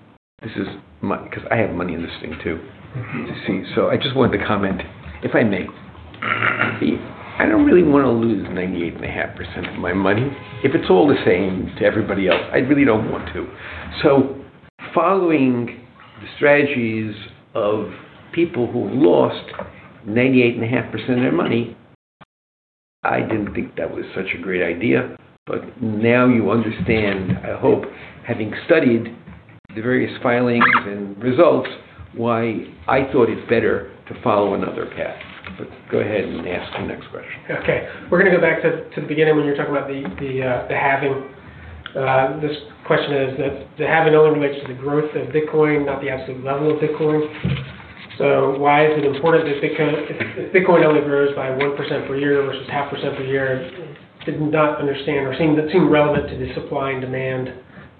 B: this is 'cause I have money in this thing too, you see. I just wanted to comment, if I may. I don't really wanna lose 98.5% of my money. If it's all the same to everybody else, I really don't want to. Following the strategies of people who lost 98.5% of their money, I didn't think that was such a great idea. Now you understand, I hope, having studied the various filings and results, why I thought it better to follow another path. Go ahead and ask the next question.
A: Okay. We're gonna go back to the beginning when you were talking about the halving. This question is that the halving only relates to the growth of Bitcoin, not the absolute level of Bitcoin. Why is it important if Bitcoin only grows by 1% per year versus 0.5% per year? Did not understand or seem that seemed relevant to the supply and demand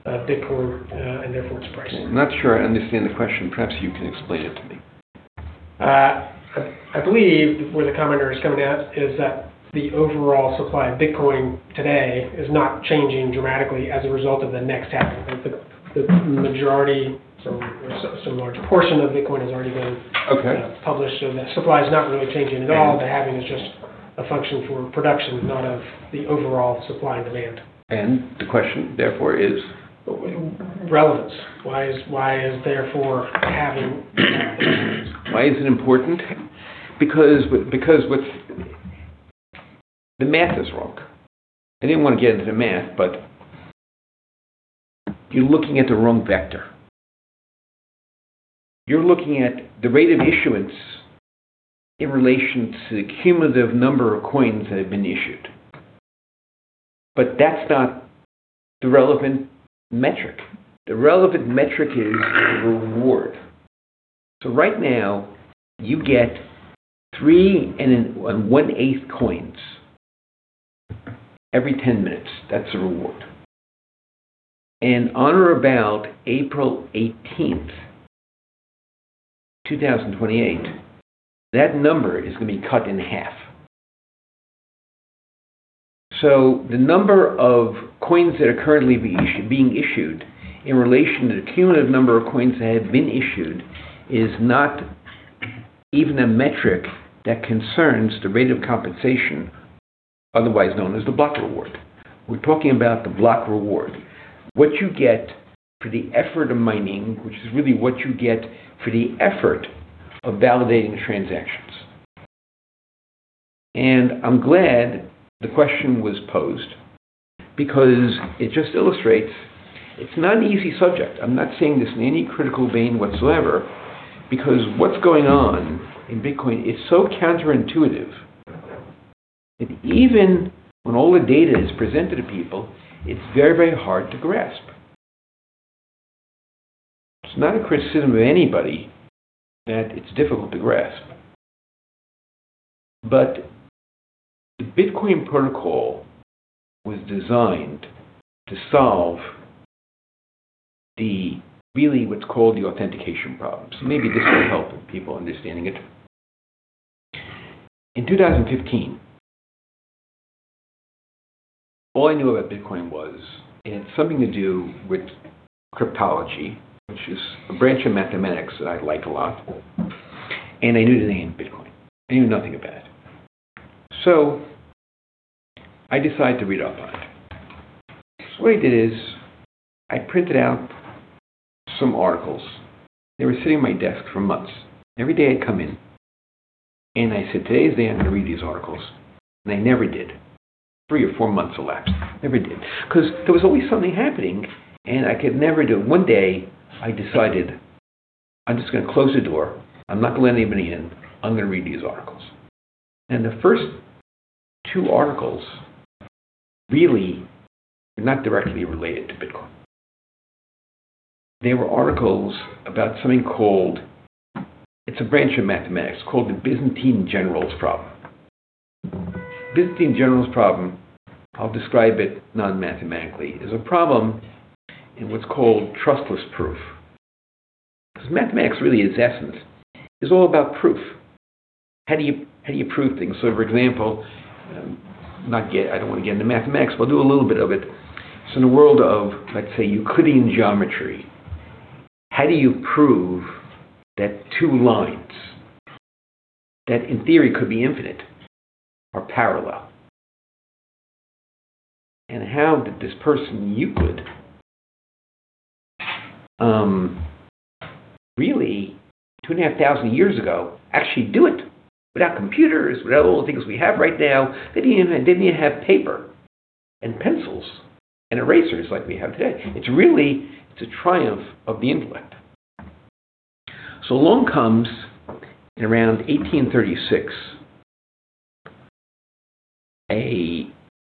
A: of Bitcoin, and therefore its price.
B: I'm not sure I understand the question. Perhaps you can explain it to me.
A: I believe where the commenter is coming at is that the overall supply of Bitcoin today is not changing dramatically as a result of the next halving. The majority, so a large portion of Bitcoin has already been-
B: Okay.
A: You know, published, so the supply is not really changing at all. The halving is just a function for production, not of the overall supply and demand.
B: The question therefore is?
A: Relevance. Why is therefore halving
B: Why is it important? The math is wrong. I didn't wanna get into the math, but you're looking at the wrong vector. You're looking at the rate of issuance in relation to the cumulative number of coins that have been issued. That's not the relevant metric. The relevant metric is the reward. Right now, you get three and one-eighth coins every 10 minutes. That's the reward. On or about April 18th, 2028, that number is gonna be cut in half. The number of coins that are currently being issued in relation to the cumulative number of coins that have been issued is not even a metric that concerns the rate of compensation, otherwise known as the block reward. We're talking about the block reward, what you get for the effort of mining, which is really what you get for the effort of validating the transactions. I'm glad the question was posed because it just illustrates it's not an easy subject. I'm not saying this in any critical vein whatsoever, because what's going on in Bitcoin is so counterintuitive that even when all the data is presented to people, it's very, very hard to grasp. It's not a criticism of anybody that it's difficult to grasp. The Bitcoin protocol was designed to solve the, really what's called the authentication problem, so maybe this will help in people understanding it. In 2015, all I knew about Bitcoin was it had something to do with cryptology, which is a branch of mathematics that I like a lot, and I knew the name Bitcoin. I knew nothing about it. I decided to read up on it. What I did is I printed out some articles. They were sitting on my desk for months. Every day I'd come in, and I said, "Today's the day I'm gonna read these articles," and I never did. Three or four months elapsed. Never did. 'Cause there was always something happening, and I could never do it. One day, I decided, "I'm just gonna close the door. I'm not gonna let anybody in. I'm gonna read these articles." The first two articles really were not directly related to Bitcoin. They were articles about something called. It's a branch of mathematics called the Byzantine Generals' Problem. The Byzantine Generals' Problem, I'll describe it non-mathematically, is a problem in what's called trustless proof. 'Cause mathematics really at its essence is all about proof. How do you prove things? For example, I don't wanna get into mathematics, but I'll do a little bit of it. In the world of, let's say, Euclidean geometry, how do you prove that two lines that in theory could be infinite are parallel? How did this person, Euclid, really 2,500 years ago actually do it without computers, without all the things we have right now? They didn't even have paper and pencils and erasers like we have today. It's really a triumph of the intellect. Along comes, in around 1836,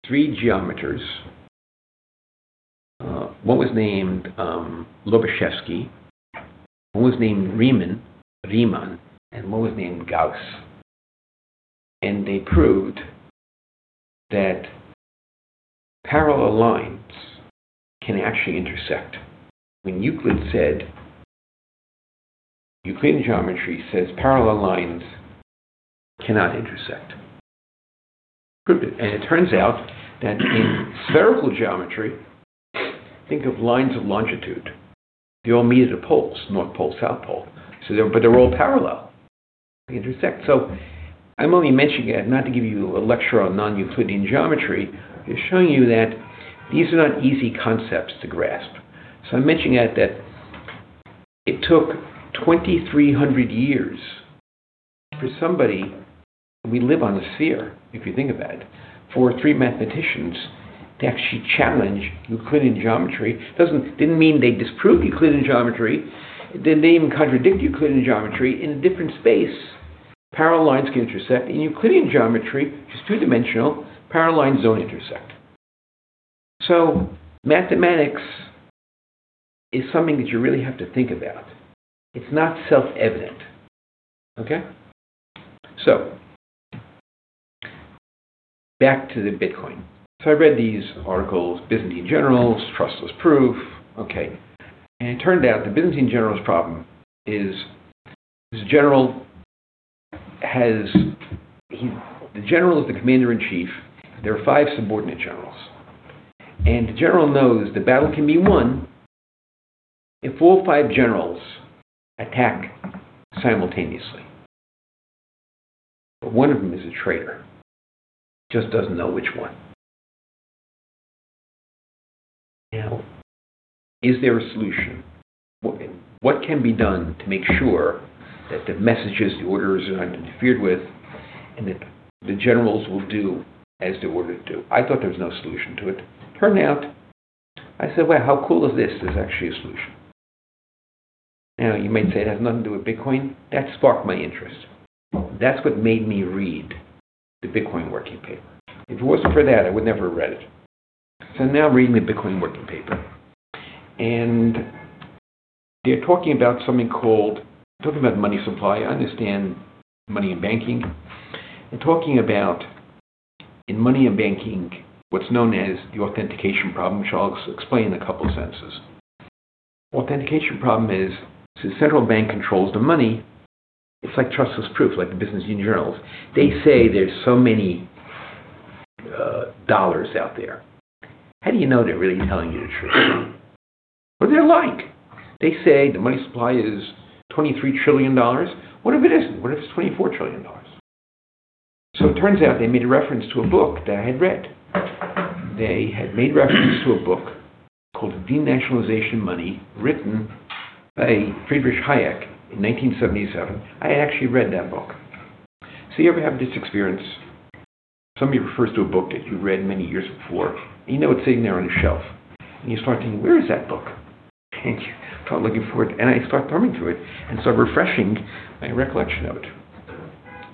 B: three geometers, one was named Lobachevsky, one was named Riemann, and one was named Gauss, and they proved that parallel lines can actually intersect. When Euclid said, Euclidean geometry says parallel lines cannot intersect. Proved it, and it turns out that in spherical geometry, think of lines of longitude. They all meet at the poles, North Pole, South Pole. They're, but they're all parallel. They intersect. I'm only mentioning that not to give you a lecture on non-Euclidean geometry. I'm just showing you that these are not easy concepts to grasp. I'm mentioning that it took 2,300 years. For somebody, we live on a sphere, if you think of that. For three mathematicians to actually challenge Euclidean geometry didn't mean they disproved Euclidean geometry. It didn't even contradict Euclidean geometry in a different space. Parallel lines can intersect. In Euclidean geometry, which is two-dimensional, parallel lines don't intersect. Mathematics is something that you really have to think about. It's not self-evident. Okay. Back to the Bitcoin. I read these articles, Byzantine Generals, Trustless Proof. Okay. It turned out the Byzantine Generals' Problem is the general is the commander-in-chief. There are five subordinate generals. The general knows the battle can be won if all five generals attack simultaneously. But one of them is a traitor. He just doesn't know which one. Now, is there a solution? What can be done to make sure that the messages, the orders are not interfered with, and that the generals will do as they're ordered to? I thought there was no solution to it. Turned out, I said, "Well, how cool is this? There's actually a solution." Now, you might say it has nothing to do with Bitcoin. That sparked my interest. That's what made me read the Bitcoin working paper. If it wasn't for that, I would never have read it. Now reading the Bitcoin white paper, they're talking about money supply. I understand money and banking. They're talking about, in money and banking, what's known as the authentication problem, which I'll explain in a couple sentences. The authentication problem is, since the central bank controls the money, it's like trustless proof, like the Byzantine Generals. They say there's so many dollars out there. How do you know they're really telling you the truth? What are they like? They say the money supply is $23 trillion. What if it isn't? What if it's $24 trillion? It turns out they made a reference to a book that I had read. They had made reference to a book called Denationalization of Money, written by Friedrich Hayek in 1977. I had actually read that book. You ever have this experience, somebody refers to a book that you read many years before, and you know it's sitting there on your shelf, and you start thinking, "Where is that book?" You start looking for it, and I start thumbing through it, and start refreshing my recollection of it.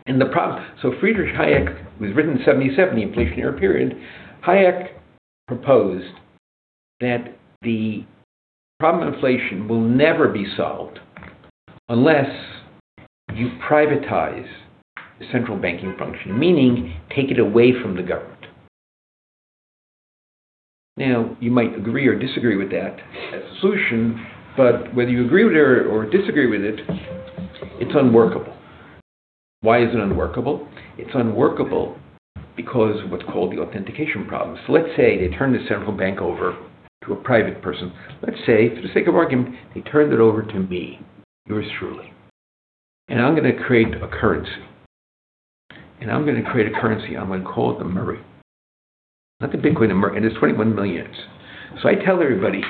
B: The problem. Friedrich Hayek, it was written in 1977, the inflationary period, Hayek proposed that the problem of inflation will never be solved unless you privatize the central banking function, meaning take it away from the government. Now, you might agree or disagree with that as a solution, but whether you agree with it or disagree with it's unworkable. Why is it unworkable? It's unworkable because of what's called the authentication problem. Let's say they turn the central bank over to a private person. Let's say, for the sake of argument, they turned it over to me, yours truly, and I'm gonna create a currency, I'm gonna call it the Murray. Not the Bitcoin, the Murray, and there's 21 million of it. So I tell everybody,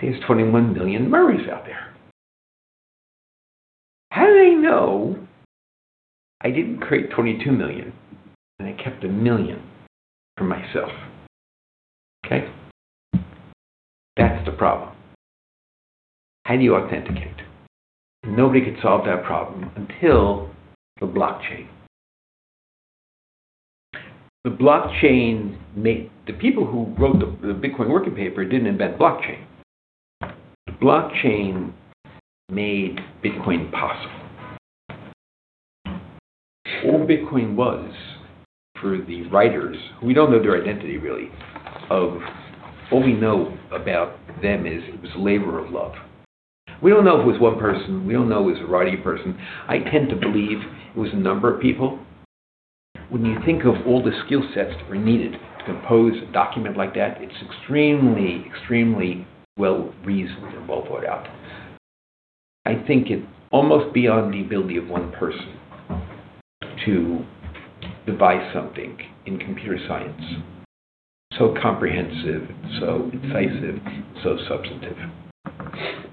B: "There's 21 million Murrays out there." How do they know I didn't create 22 million and I kept 1 million for myself? Okay? That's the problem. How do you authenticate? Nobody could solve that problem until the blockchain. The people who wrote the Bitcoin white paper didn't invent blockchain. The blockchain made Bitcoin possible. All Bitcoin was for the writers, we don't know their identity really, of all we know about them is it was a labor of love. We don't know if it was one person. We don't know if it was a variety of person. I tend to believe it was a number of people. When you think of all the skill sets that were needed to compose a document like that, it's extremely well-reasoned and well thought out. I think it's almost beyond the ability of one person to devise something in computer science so comprehensive, so incisive, so substantive.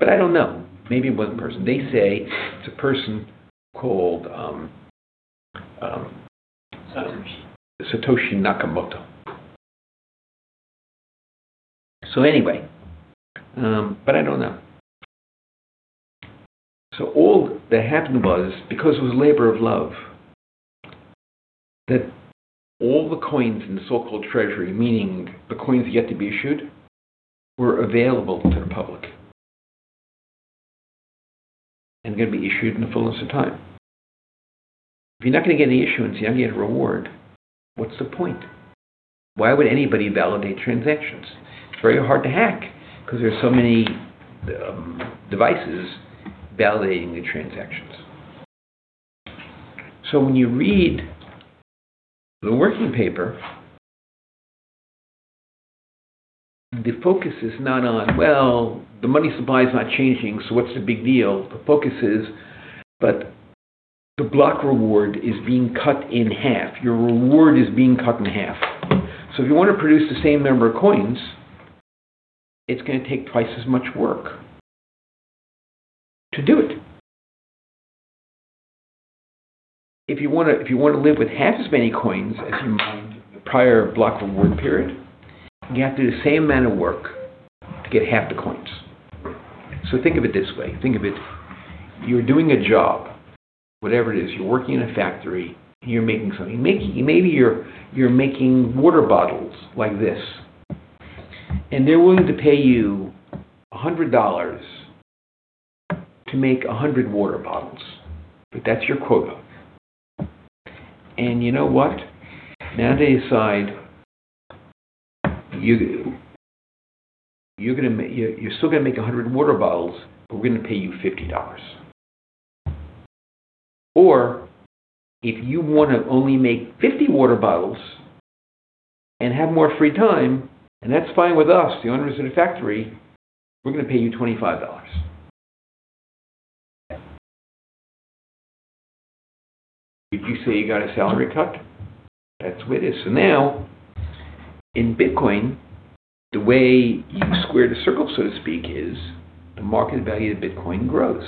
B: I don't know. Maybe it was one person. They say it's a person called.
D: Satoshi
B: Satoshi Nakamoto. Anyway, but I don't know. All that happened was, because it was a labor of love, that all the coins in the so-called treasury, meaning the coins yet to be issued, were available to the public and gonna be issued in the fullness of time. If you're not gonna get any issuance, you're not gonna get a reward, what's the point? Why would anybody validate transactions? It's very hard to hack 'cause there's so many devices validating the transactions. When you read the working paper, the focus is not on, well, the money supply is not changing, so what's the big deal? The focus is but the block reward is being cut in half. Your reward is being cut in half. If you want to produce the same number of coins, it's gonna take twice as much work to do it. If you wanna live with half as many coins as you mined the prior block reward period, you have to do the same amount of work to get half the coins. Think of it this way. You're doing a job, whatever it is. You're working in a factory, and you're making something. Maybe you're making water bottles like this, and they're willing to pay you $100 to make 100 water bottles, but that's your quota. You know what? Now they decide you're still gonna make 100 water bottles, but we're gonna pay you $50. If you wanna only make 50 water bottles and have more free time, and that's fine with us, the owners of the factory, we're gonna pay you $25. Did you say you got a salary cut? That's the way it is. Now, in Bitcoin, the way you square the circle, so to speak, is the market value of Bitcoin grows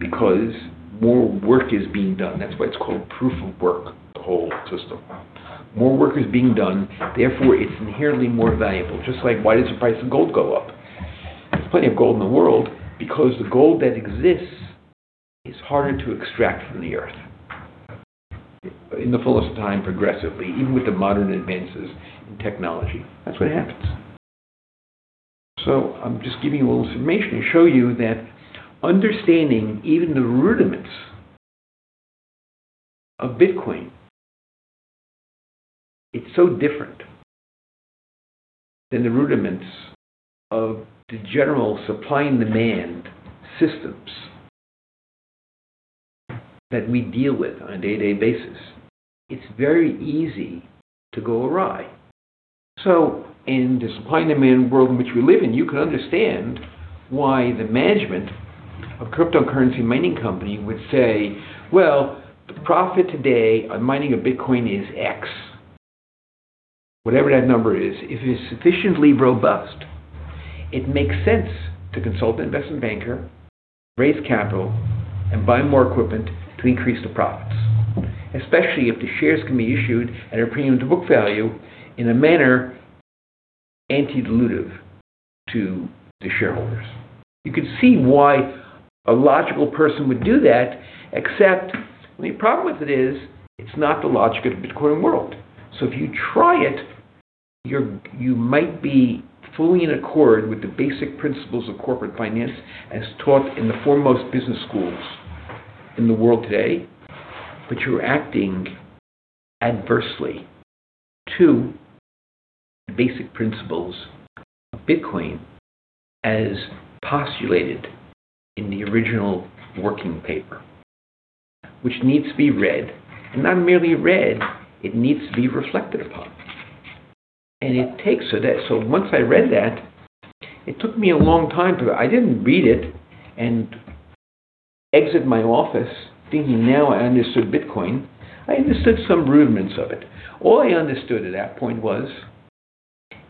B: because more work is being done. That's why it's called proof of work, the whole system. More work is being done, therefore, it's inherently more valuable. Just like why does the price of gold go up? There's plenty of gold in the world. Because the gold that exists is harder to extract from the earth in the fullest of time, progressively, even with the modern advances in technology. That's what happens. I'm just giving you a little information to show you that understanding even the rudiments of Bitcoin, it's so different than the rudiments of the general supply and demand systems that we deal with on a day-to-day basis. It's very easy to go awry. In the supply and demand world in which we live in, you can understand why the management of cryptocurrency mining company would say, "Well, the profit today on mining a Bitcoin is X," whatever that number is. If it is sufficiently robust, it makes sense to consult an investment banker, raise capital, and buy more equipment to increase the profits, especially if the shares can be issued at a premium to book value in a manner anti-dilutive to the shareholders. You could see why a logical person would do that, except the problem with it is, it's not the logic of the Bitcoin world. If you try it, you're, you might be fully in accord with the basic principles of corporate finance as taught in the foremost business schools in the world today, but you're acting adversely to the basic principles of Bitcoin as postulated in the original working paper, which needs to be read. Not merely read, it needs to be reflected upon. It takes. Once I read that, it took me a long time to. I didn't read it and exit my office thinking, "Now I understood Bitcoin." I understood some rudiments of it. All I understood at that point was,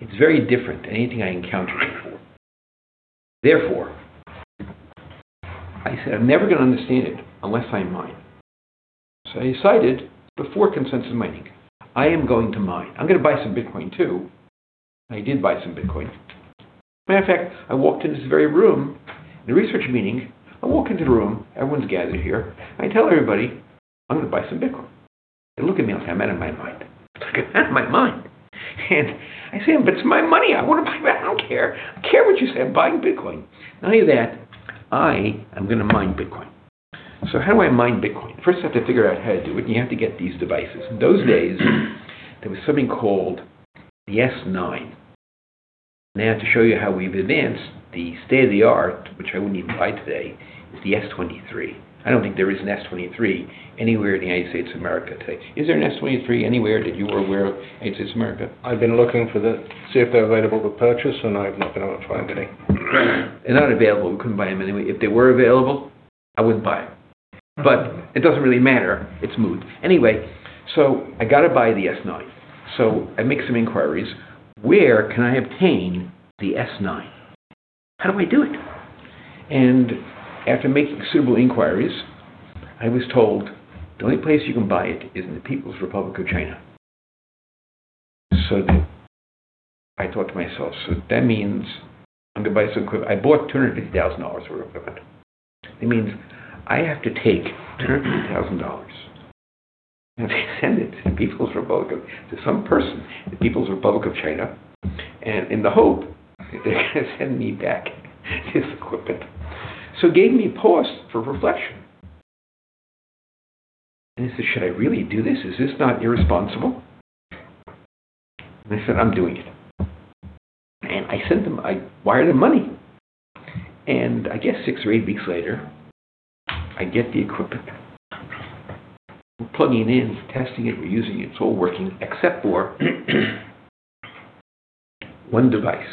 B: it's very different than anything I encountered before. Therefore, I said, "I'm never gonna understand it unless I mine." I decided before Consensus Mining, I am going to mine. I'm gonna buy some Bitcoin too. I did buy some Bitcoin. Matter of fact, I walked into this very room in a research meeting. I walk into the room, everyone's gathered here. I tell everybody, "I'm gonna buy some Bitcoin." They look at me like I'm out of my mind. I say, "But it's my money. I wanna buy Bitcoin. I don't care what you say, I'm buying Bitcoin." Not only that, I am gonna mine Bitcoin. How do I mine Bitcoin? First, I have to figure out how to do it, and you have to get these devices. In those days, there was something called the S9. Now, to show you how we've advanced, the state-of-the-art, which I wouldn't even buy today, is the S23. I don't think there is an S23 anywhere in the United States of America today. Is there an S23 anywhere that you are aware of in the United States of America?
A: I've been looking to see if they're available for purchase, and I've not been able to find any.
B: They're not available. We couldn't buy them anyway. If they were available, I wouldn't buy them. It doesn't really matter. It's moot. Anyway, I gotta buy the S9. I make some inquiries. Where can I obtain the S9? How do I do it? After making suitable inquiries, I was told the only place you can buy it is in the People's Republic of China. I thought to myself, "I bought $250,000 worth of equipment. It means I have to take $250,000 and send it to some person in the People's Republic of China and in the hope they're gonna send me back this equipment." It gave me pause for reflection, and I said, "Should I really do this? Is this not irresponsible?" I said, "I'm doing it." I sent them, I wired them money, and I guess 6 or 8 weeks later, I get the equipment. We're plugging it in, testing it, we're using it. It's all working except for one device.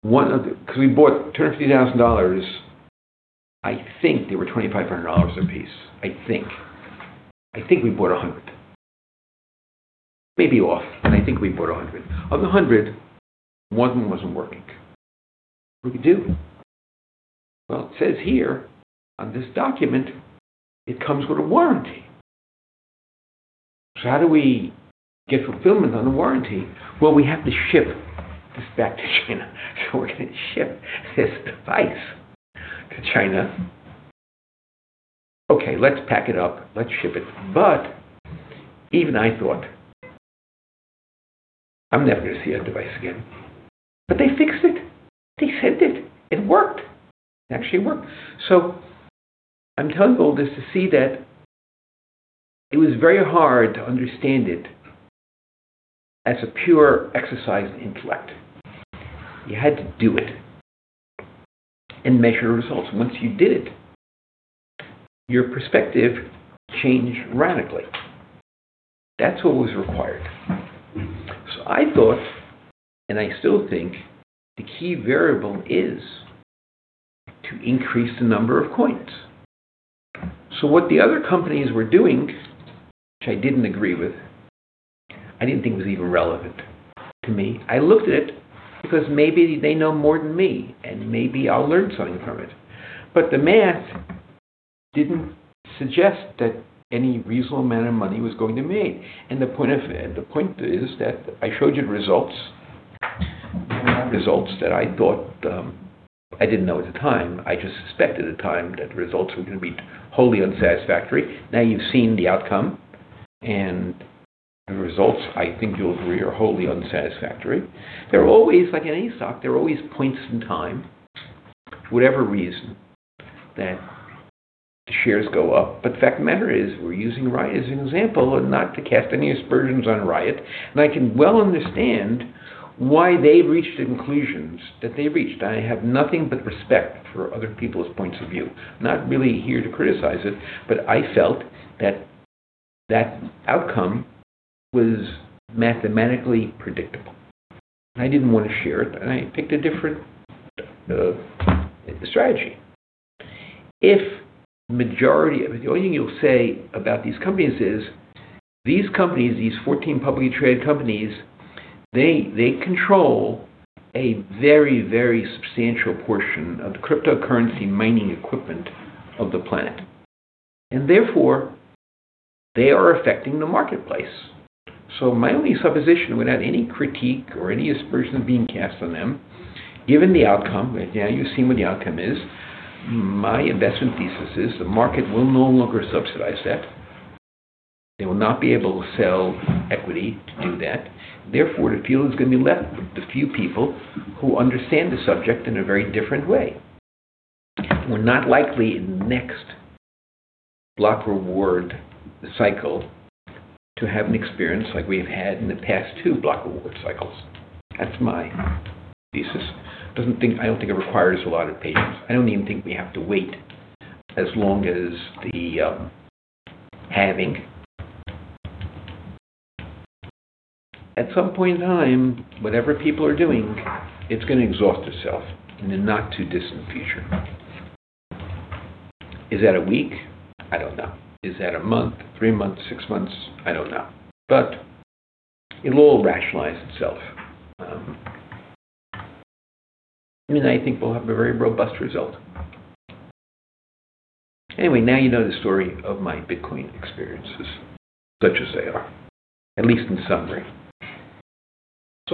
B: One of them, because we bought $250,000. I think they were $2,500 a piece. I think we bought 100. Maybe I'm off, but I think we bought 100. Of the 100, one of them wasn't working. What do we do? It says here on this document, it comes with a warranty. How do we get fulfillment on the warranty? We have to ship this back to China. We're going to ship this device to China. Okay, let's pack it up. Let's ship it. Even I thought, I'm never going to see that device again. They fixed it. They sent it. It worked. It actually worked. I'm telling you all this to see that it was very hard to understand it as a pure exercise in intellect. You had to do it and measure results. Once you did it, your perspective changed radically. That's what was required. I thought, and I still think, the key variable is to increase the number of coins. What the other companies were doing, which I didn't agree with, I didn't think was even relevant to me. I looked at it because maybe they know more than me and maybe I'll learn something from it. The math didn't suggest that any reasonable amount of money was going to be made. The point is that I showed you the results that I thought I didn't know at the time. I just suspected at the time that the results were going to be wholly unsatisfactory. Now you've seen the outcome and the results, I think you'll agree, are wholly unsatisfactory. They're always, like any stock, points in time for whatever reason that shares go up. The fact of the matter is we're using Riot as an example and not to cast any aspersions on Riot. I can well understand why they reached the conclusions that they reached. I have nothing but respect for other people's points of view. I'm not really here to criticize it, but I felt that that outcome was mathematically predictable. I didn't want to share it and I picked a different strategy. If majority of it, the only thing you'll say about these companies is these companies, these 14 publicly traded companies, they control a very, very substantial portion of the cryptocurrency mining equipment of the planet. Therefore, they are affecting the marketplace. My only supposition without any critique or any aspersions being cast on them, given the outcome, now you've seen what the outcome is, my investment thesis is the market will no longer subsidize that. They will not be able to sell equity to do that. Therefore, the field is going to be left with the few people who understand the subject in a very different way. We're not likely in the next block reward cycle to have an experience like we have had in the past two block reward cycles. That's my thesis. I don't think it requires a lot of patience. I don't even think we have to wait as long as the halving. At some point in time, whatever people are doing, it's going to exhaust itself in the not too distant future. Is that a week? I don't know. Is that a month, three months, six months? I don't know. It will rationalize itself. I think we'll have a very robust result. Anyway, now you know the story of my Bitcoin experiences, such as they are, at least in summary.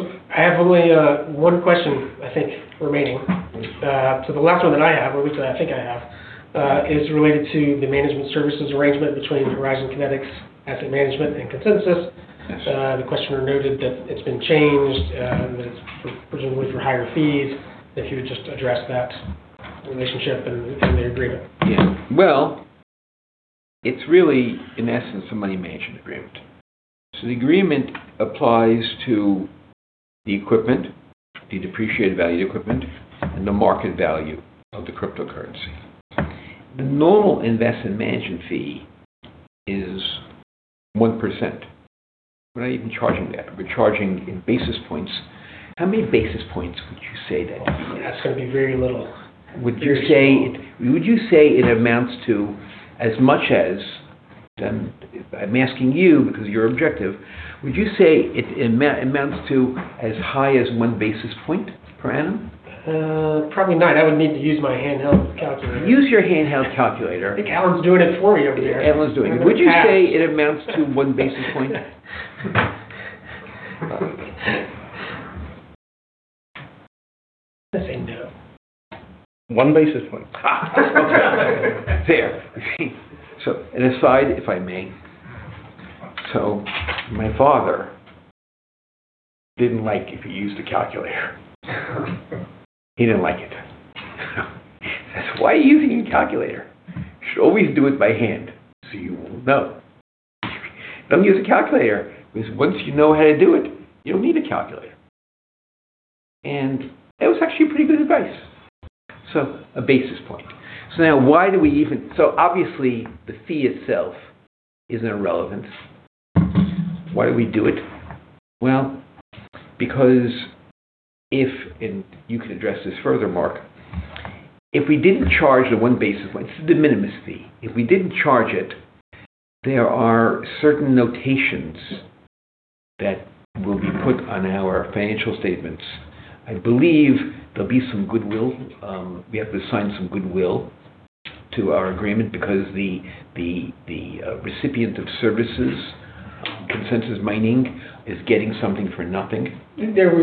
A: I have only one question, I think, remaining. The last one that I have, or at least I think I have, is related to the management services arrangement between Horizon Kinetics Asset Management and Consensus Mining & Seigniorage Corporation.
B: Yes.
A: The questioner noted that it's been changed, presumably for higher fees. If you would just address that relationship and the agreement.
B: Yeah. Well, it's really, in essence, a money management agreement. The agreement applies to the equipment, the depreciated value equipment, and the market value of the cryptocurrency. The normal investment management fee is 1%. We're not even charging that. We're charging in basis points. How many basis points would you say that is?
A: Oh, yeah. It'd be very little.
B: Would you say it amounts to as much as, and I'm asking you because you're objective, would you say it amounts to as high as one basis point per annum?
A: Probably not. I would need to use my handheld calculator.
B: Use your handheld calculator.
A: I think Alun's doing it for you over there.
B: Alan's doing it. Would you say it amounts to one basis point?
A: I think so.
B: One basis point. There. An aside, if I may. My father didn't like if you used a calculator. He didn't like it. He says, "Why are you using a calculator?" You should always do it by hand so you will know. Don't use a calculator because once you know how to do it, you don't need a calculator. That was actually pretty good advice. A basis point. Now why do we so obviously the fee itself is irrelevant. Why do we do it? Well, because if, and you can address this further, Mark, if we didn't charge the one basis point, this is de minimis fee. If we didn't charge it, there are certain notations that will be put on our financial statements. I believe there'll be some goodwill. We have to assign some goodwill to our agreement because the recipient of services, Consensus Mining, is getting something for nothing.
A: I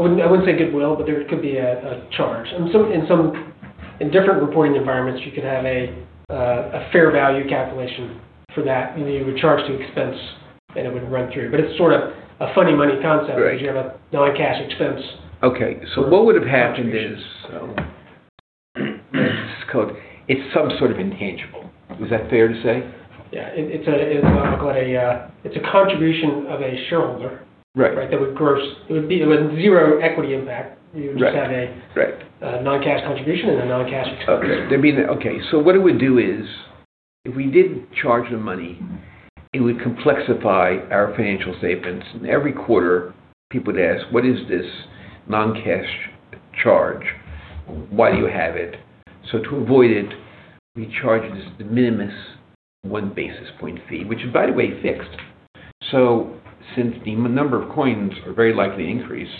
A: wouldn't say goodwill, but there could be a charge. In some different reporting environments, you could have a fair value calculation for that, and you would charge the expense, and it would run through. It's sort of a funny money concept.
B: Right.
A: because you have a non-cash expense.
B: Okay. What would have happened is it's some sort of intangible. Is that fair to say?
A: Yeah. It's a contribution of a shareholder.
B: Right.
A: Right? That would, of course, it would be with zero equity impact.
B: Right.
A: You would just have a-
B: Right.
A: A non-cash contribution and a non-cash expense.
B: Okay, what it would do is, if we didn't charge the money, it would complexify our financial statements, and every quarter people would ask, "What is this non-cash charge? Why do you have it?" To avoid it, we charge this de minimis one basis point fee, which is by the way fixed. Since the number of coins are very likely to increase,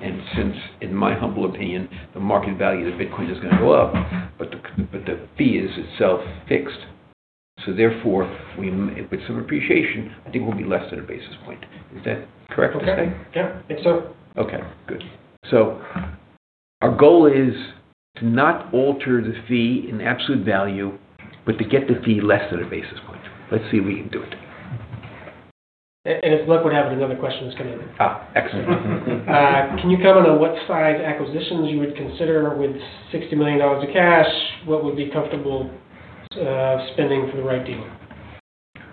B: and since, in my humble opinion, the market value of Bitcoin is gonna go up, but the fee is itself fixed, so therefore we, with some appreciation, I think it will be less than a basis point. Is that correct, okay?
A: Yeah. Think so.
B: Okay, good. Our goal is to not alter the fee in absolute value, but to get the fee less than a basis point. Let's see if we can do it.
A: As luck would have it, another question's come in.
B: Excellent.
A: Can you comment on what size acquisitions you would consider with $60 million of cash? What would be comfortable spending for the right deal?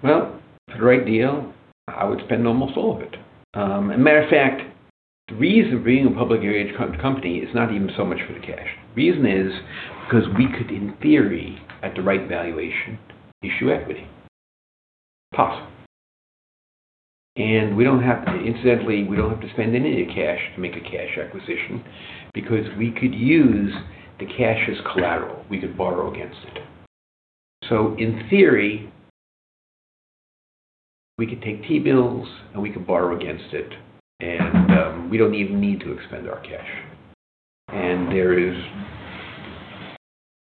B: Well, for the right deal, I would spend almost all of it. As a matter of fact, the reason for being a public company is not even so much for the cash. The reason is because we could, in theory, at the right valuation, issue equity. Possibly. Incidentally, we don't have to spend any cash to make a cash acquisition because we could use the cash as collateral. We could borrow against it. In theory, we could take T-bills, and we could borrow against it, and we don't even need to expend our cash. There is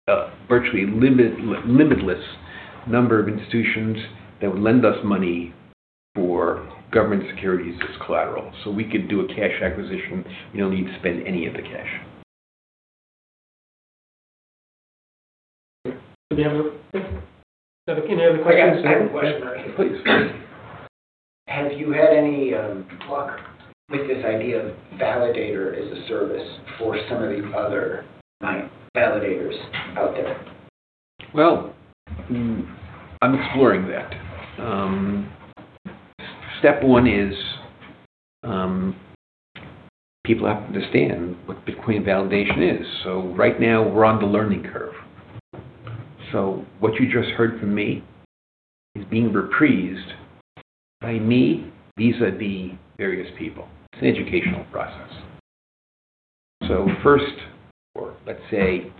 B: a virtually limitless number of institutions that would lend us money for government securities as collateral. We could do a cash acquisition, you know, need to spend any of the cash.
A: Any other questions?
E: I have a question right here.
B: Please.
E: Have you had any luck with this idea of Validator as a Service for some of the other validators out there?
B: Well, I'm exploring that. Step one is, people have to understand what Bitcoin validation is. Right now we're on the learning curve. What you just heard from me is being reprised by me vis-a-vis various people. It's an educational process. First, or let's say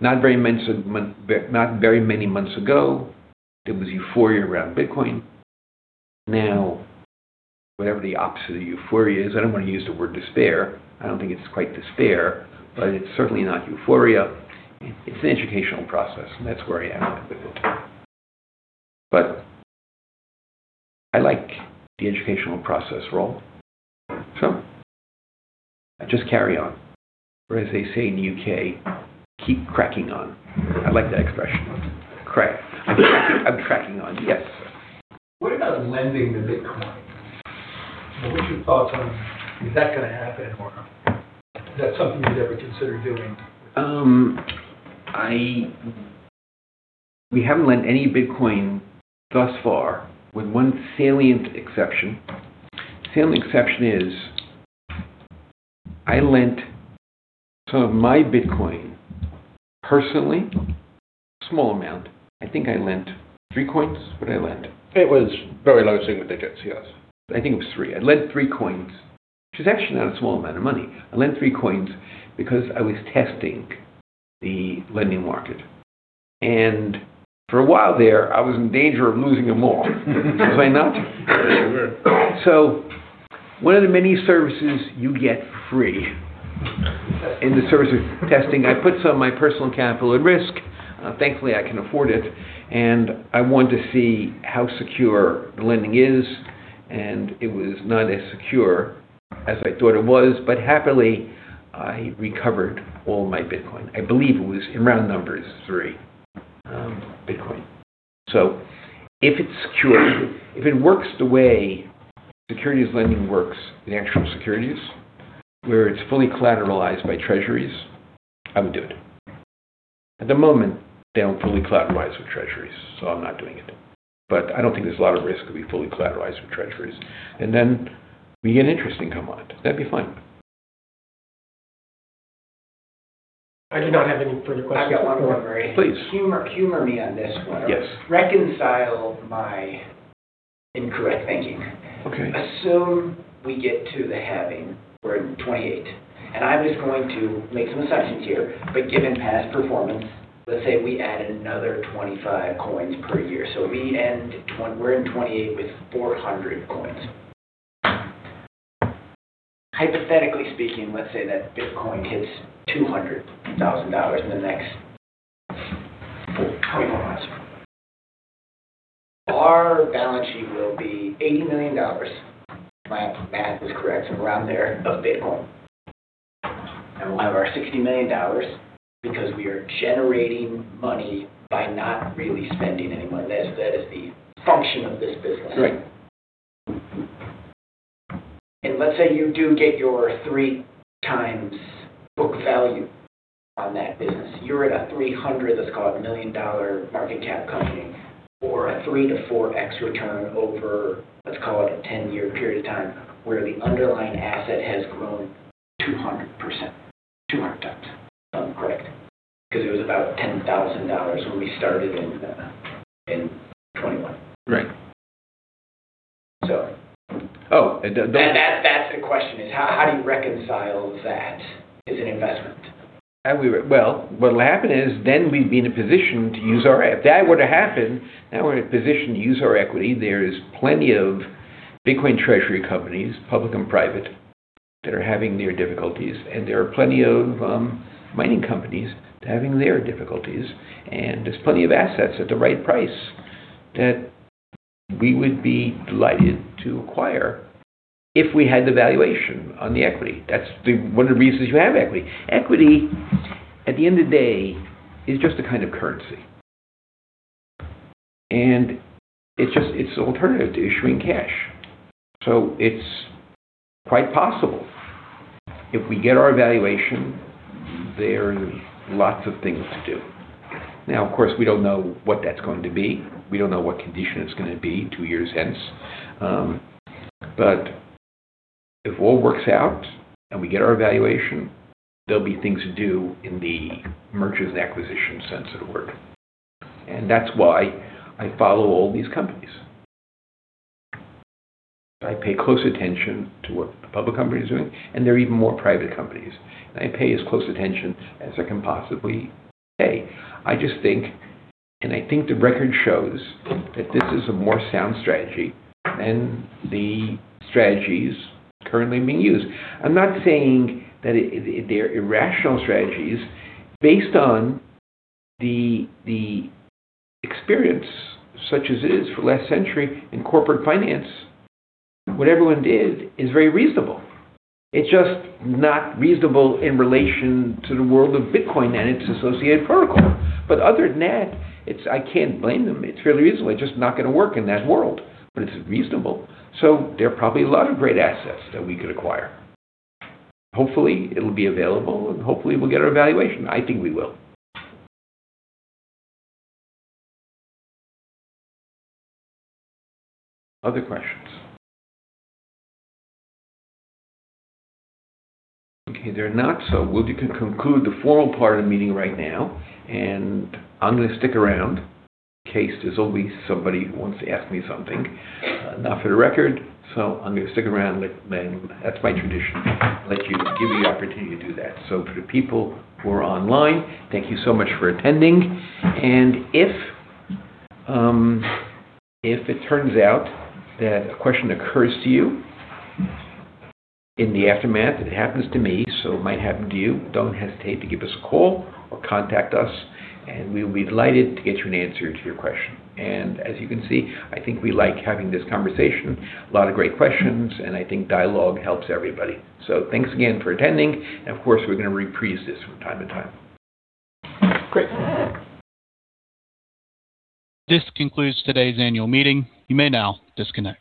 B: not very many months ago, there was euphoria around Bitcoin. Now, whatever the opposite of euphoria is, I don't want to use the word despair. I don't think it's quite despair, but it's certainly not euphoria. It's an educational process, and that's where I am with it. I like the educational process role. Just carry on. As they say in the U.K., keep cracking on. I like that expression. I'm cracking on. Yes.
A: What about lending the Bitcoin? What's your thoughts on is that gonna happen or is that something you'd ever consider doing?
B: We haven't lent any Bitcoin thus far, with one salient exception. Salient exception is I lent some of my Bitcoin personally, small amount. I think I lent 3 coins. What did I lend?
E: It was very low single digits, yes.
B: I think it was three. I lent three coins, which is actually not a small amount of money. I lent three coins because I was testing the lending market. For a while there, I was in danger of losing them all. Was I not?
E: You were.
B: One of the many services you get free in the service of testing, I put some of my personal capital at risk. Thankfully, I can afford it, and I want to see how secure the lending is, and it was not as secure as I thought it was. Happily, I recovered all my Bitcoin. I believe it was in round numbers, three Bitcoin. If it's secure, if it works the way securities lending works in actual securities, where it's fully collateralized by treasuries, I would do it. At the moment, they don't fully collateralize with treasuries, so I'm not doing it. I don't think there's a lot of risk to be fully collateralized with treasuries, and then we get an interesting income on it. That'd be fun. I do not have any further questions.
F: I've got one more, Murray Stahl.
B: Please.
F: Humor me on this one.
B: Yes.
F: Reconcile my incorrect thinking.
B: Okay.
F: Assume we get to the halving. We're in 2028, and I'm just going to make some assumptions here. Given past performance, let's say we add another 25 coins per year. We end 2028 with 400 coins. Hypothetically speaking, let's say that Bitcoin hits $200,000 in the next three years-five years. Our balance sheet will be $80 million, if my math is correct, around there, of Bitcoin. We'll have our $60 million because we are generating money by not really spending any money. That is the function of this business.
B: Right.
F: Let's say you do get your 3x book value on that business. You're at a 300, let's call it a $1 million market cap company or a 3-4x return over, let's call it a 10-year period of time, where the underlying asset has grown 200%, 200x. Is that correct? 'Cause it was about $10,000 when we started in 2021.
B: Right.
F: So-
B: Oh, the-
F: That's the question is how do you reconcile that as an investment?
B: If that were to happen, now we're in a position to use our equity. There is plenty of Bitcoin treasury companies, public and private, that are having their difficulties, and there are plenty of mining companies having their difficulties, and there's plenty of assets at the right price that we would be delighted to acquire if we had the valuation on the equity. That's one of the reasons you have equity. Equity, at the end of the day, is just a kind of currency. It's just an alternative to issuing cash. It's quite possible. If we get our valuation, there's lots of things to do. Now, of course, we don't know what that's going to be. We don't know what condition it's gonna be two years hence. If all works out and we get our valuation, there'll be things to do in the mergers and acquisitions sense of the word. That's why I follow all these companies. I pay close attention to what the public company is doing, and there are even more private companies. I pay as close attention as I can possibly pay. I just think, and I think the record shows that this is a more sound strategy than the strategies currently being used. I'm not saying that they're irrational strategies based on the experience, such as it is for the last century in corporate finance. What everyone did is very reasonable. It's just not reasonable in relation to the world of Bitcoin and its associated protocol. Other than that, I can't blame them. It's fairly reasonable. It's just not gonna work in that world, but it's reasonable. There are probably a lot of great assets that we could acquire. Hopefully, it'll be available, and hopefully, we'll get our valuation. I think we will. Other questions? Okay, there are not, so we'll conclude the formal part of the meeting right now, and I'm gonna stick around in case there's always somebody who wants to ask me something, not for the record. I'm gonna stick around. That's my tradition. Give you the opportunity to do that. For the people who are online, thank you so much for attending. If it turns out that a question occurs to you in the aftermath, it happens to me, so it might happen to you, don't hesitate to give us a call or contact us, and we will be delighted to get you an answer to your question. As you can see, I think we like having this conversation. A lot of great questions, and I think dialogue helps everybody. Thanks again for attending. Of course, we're gonna reprise this from time to time. Great. This concludes today's annual meeting. You may now disconnect.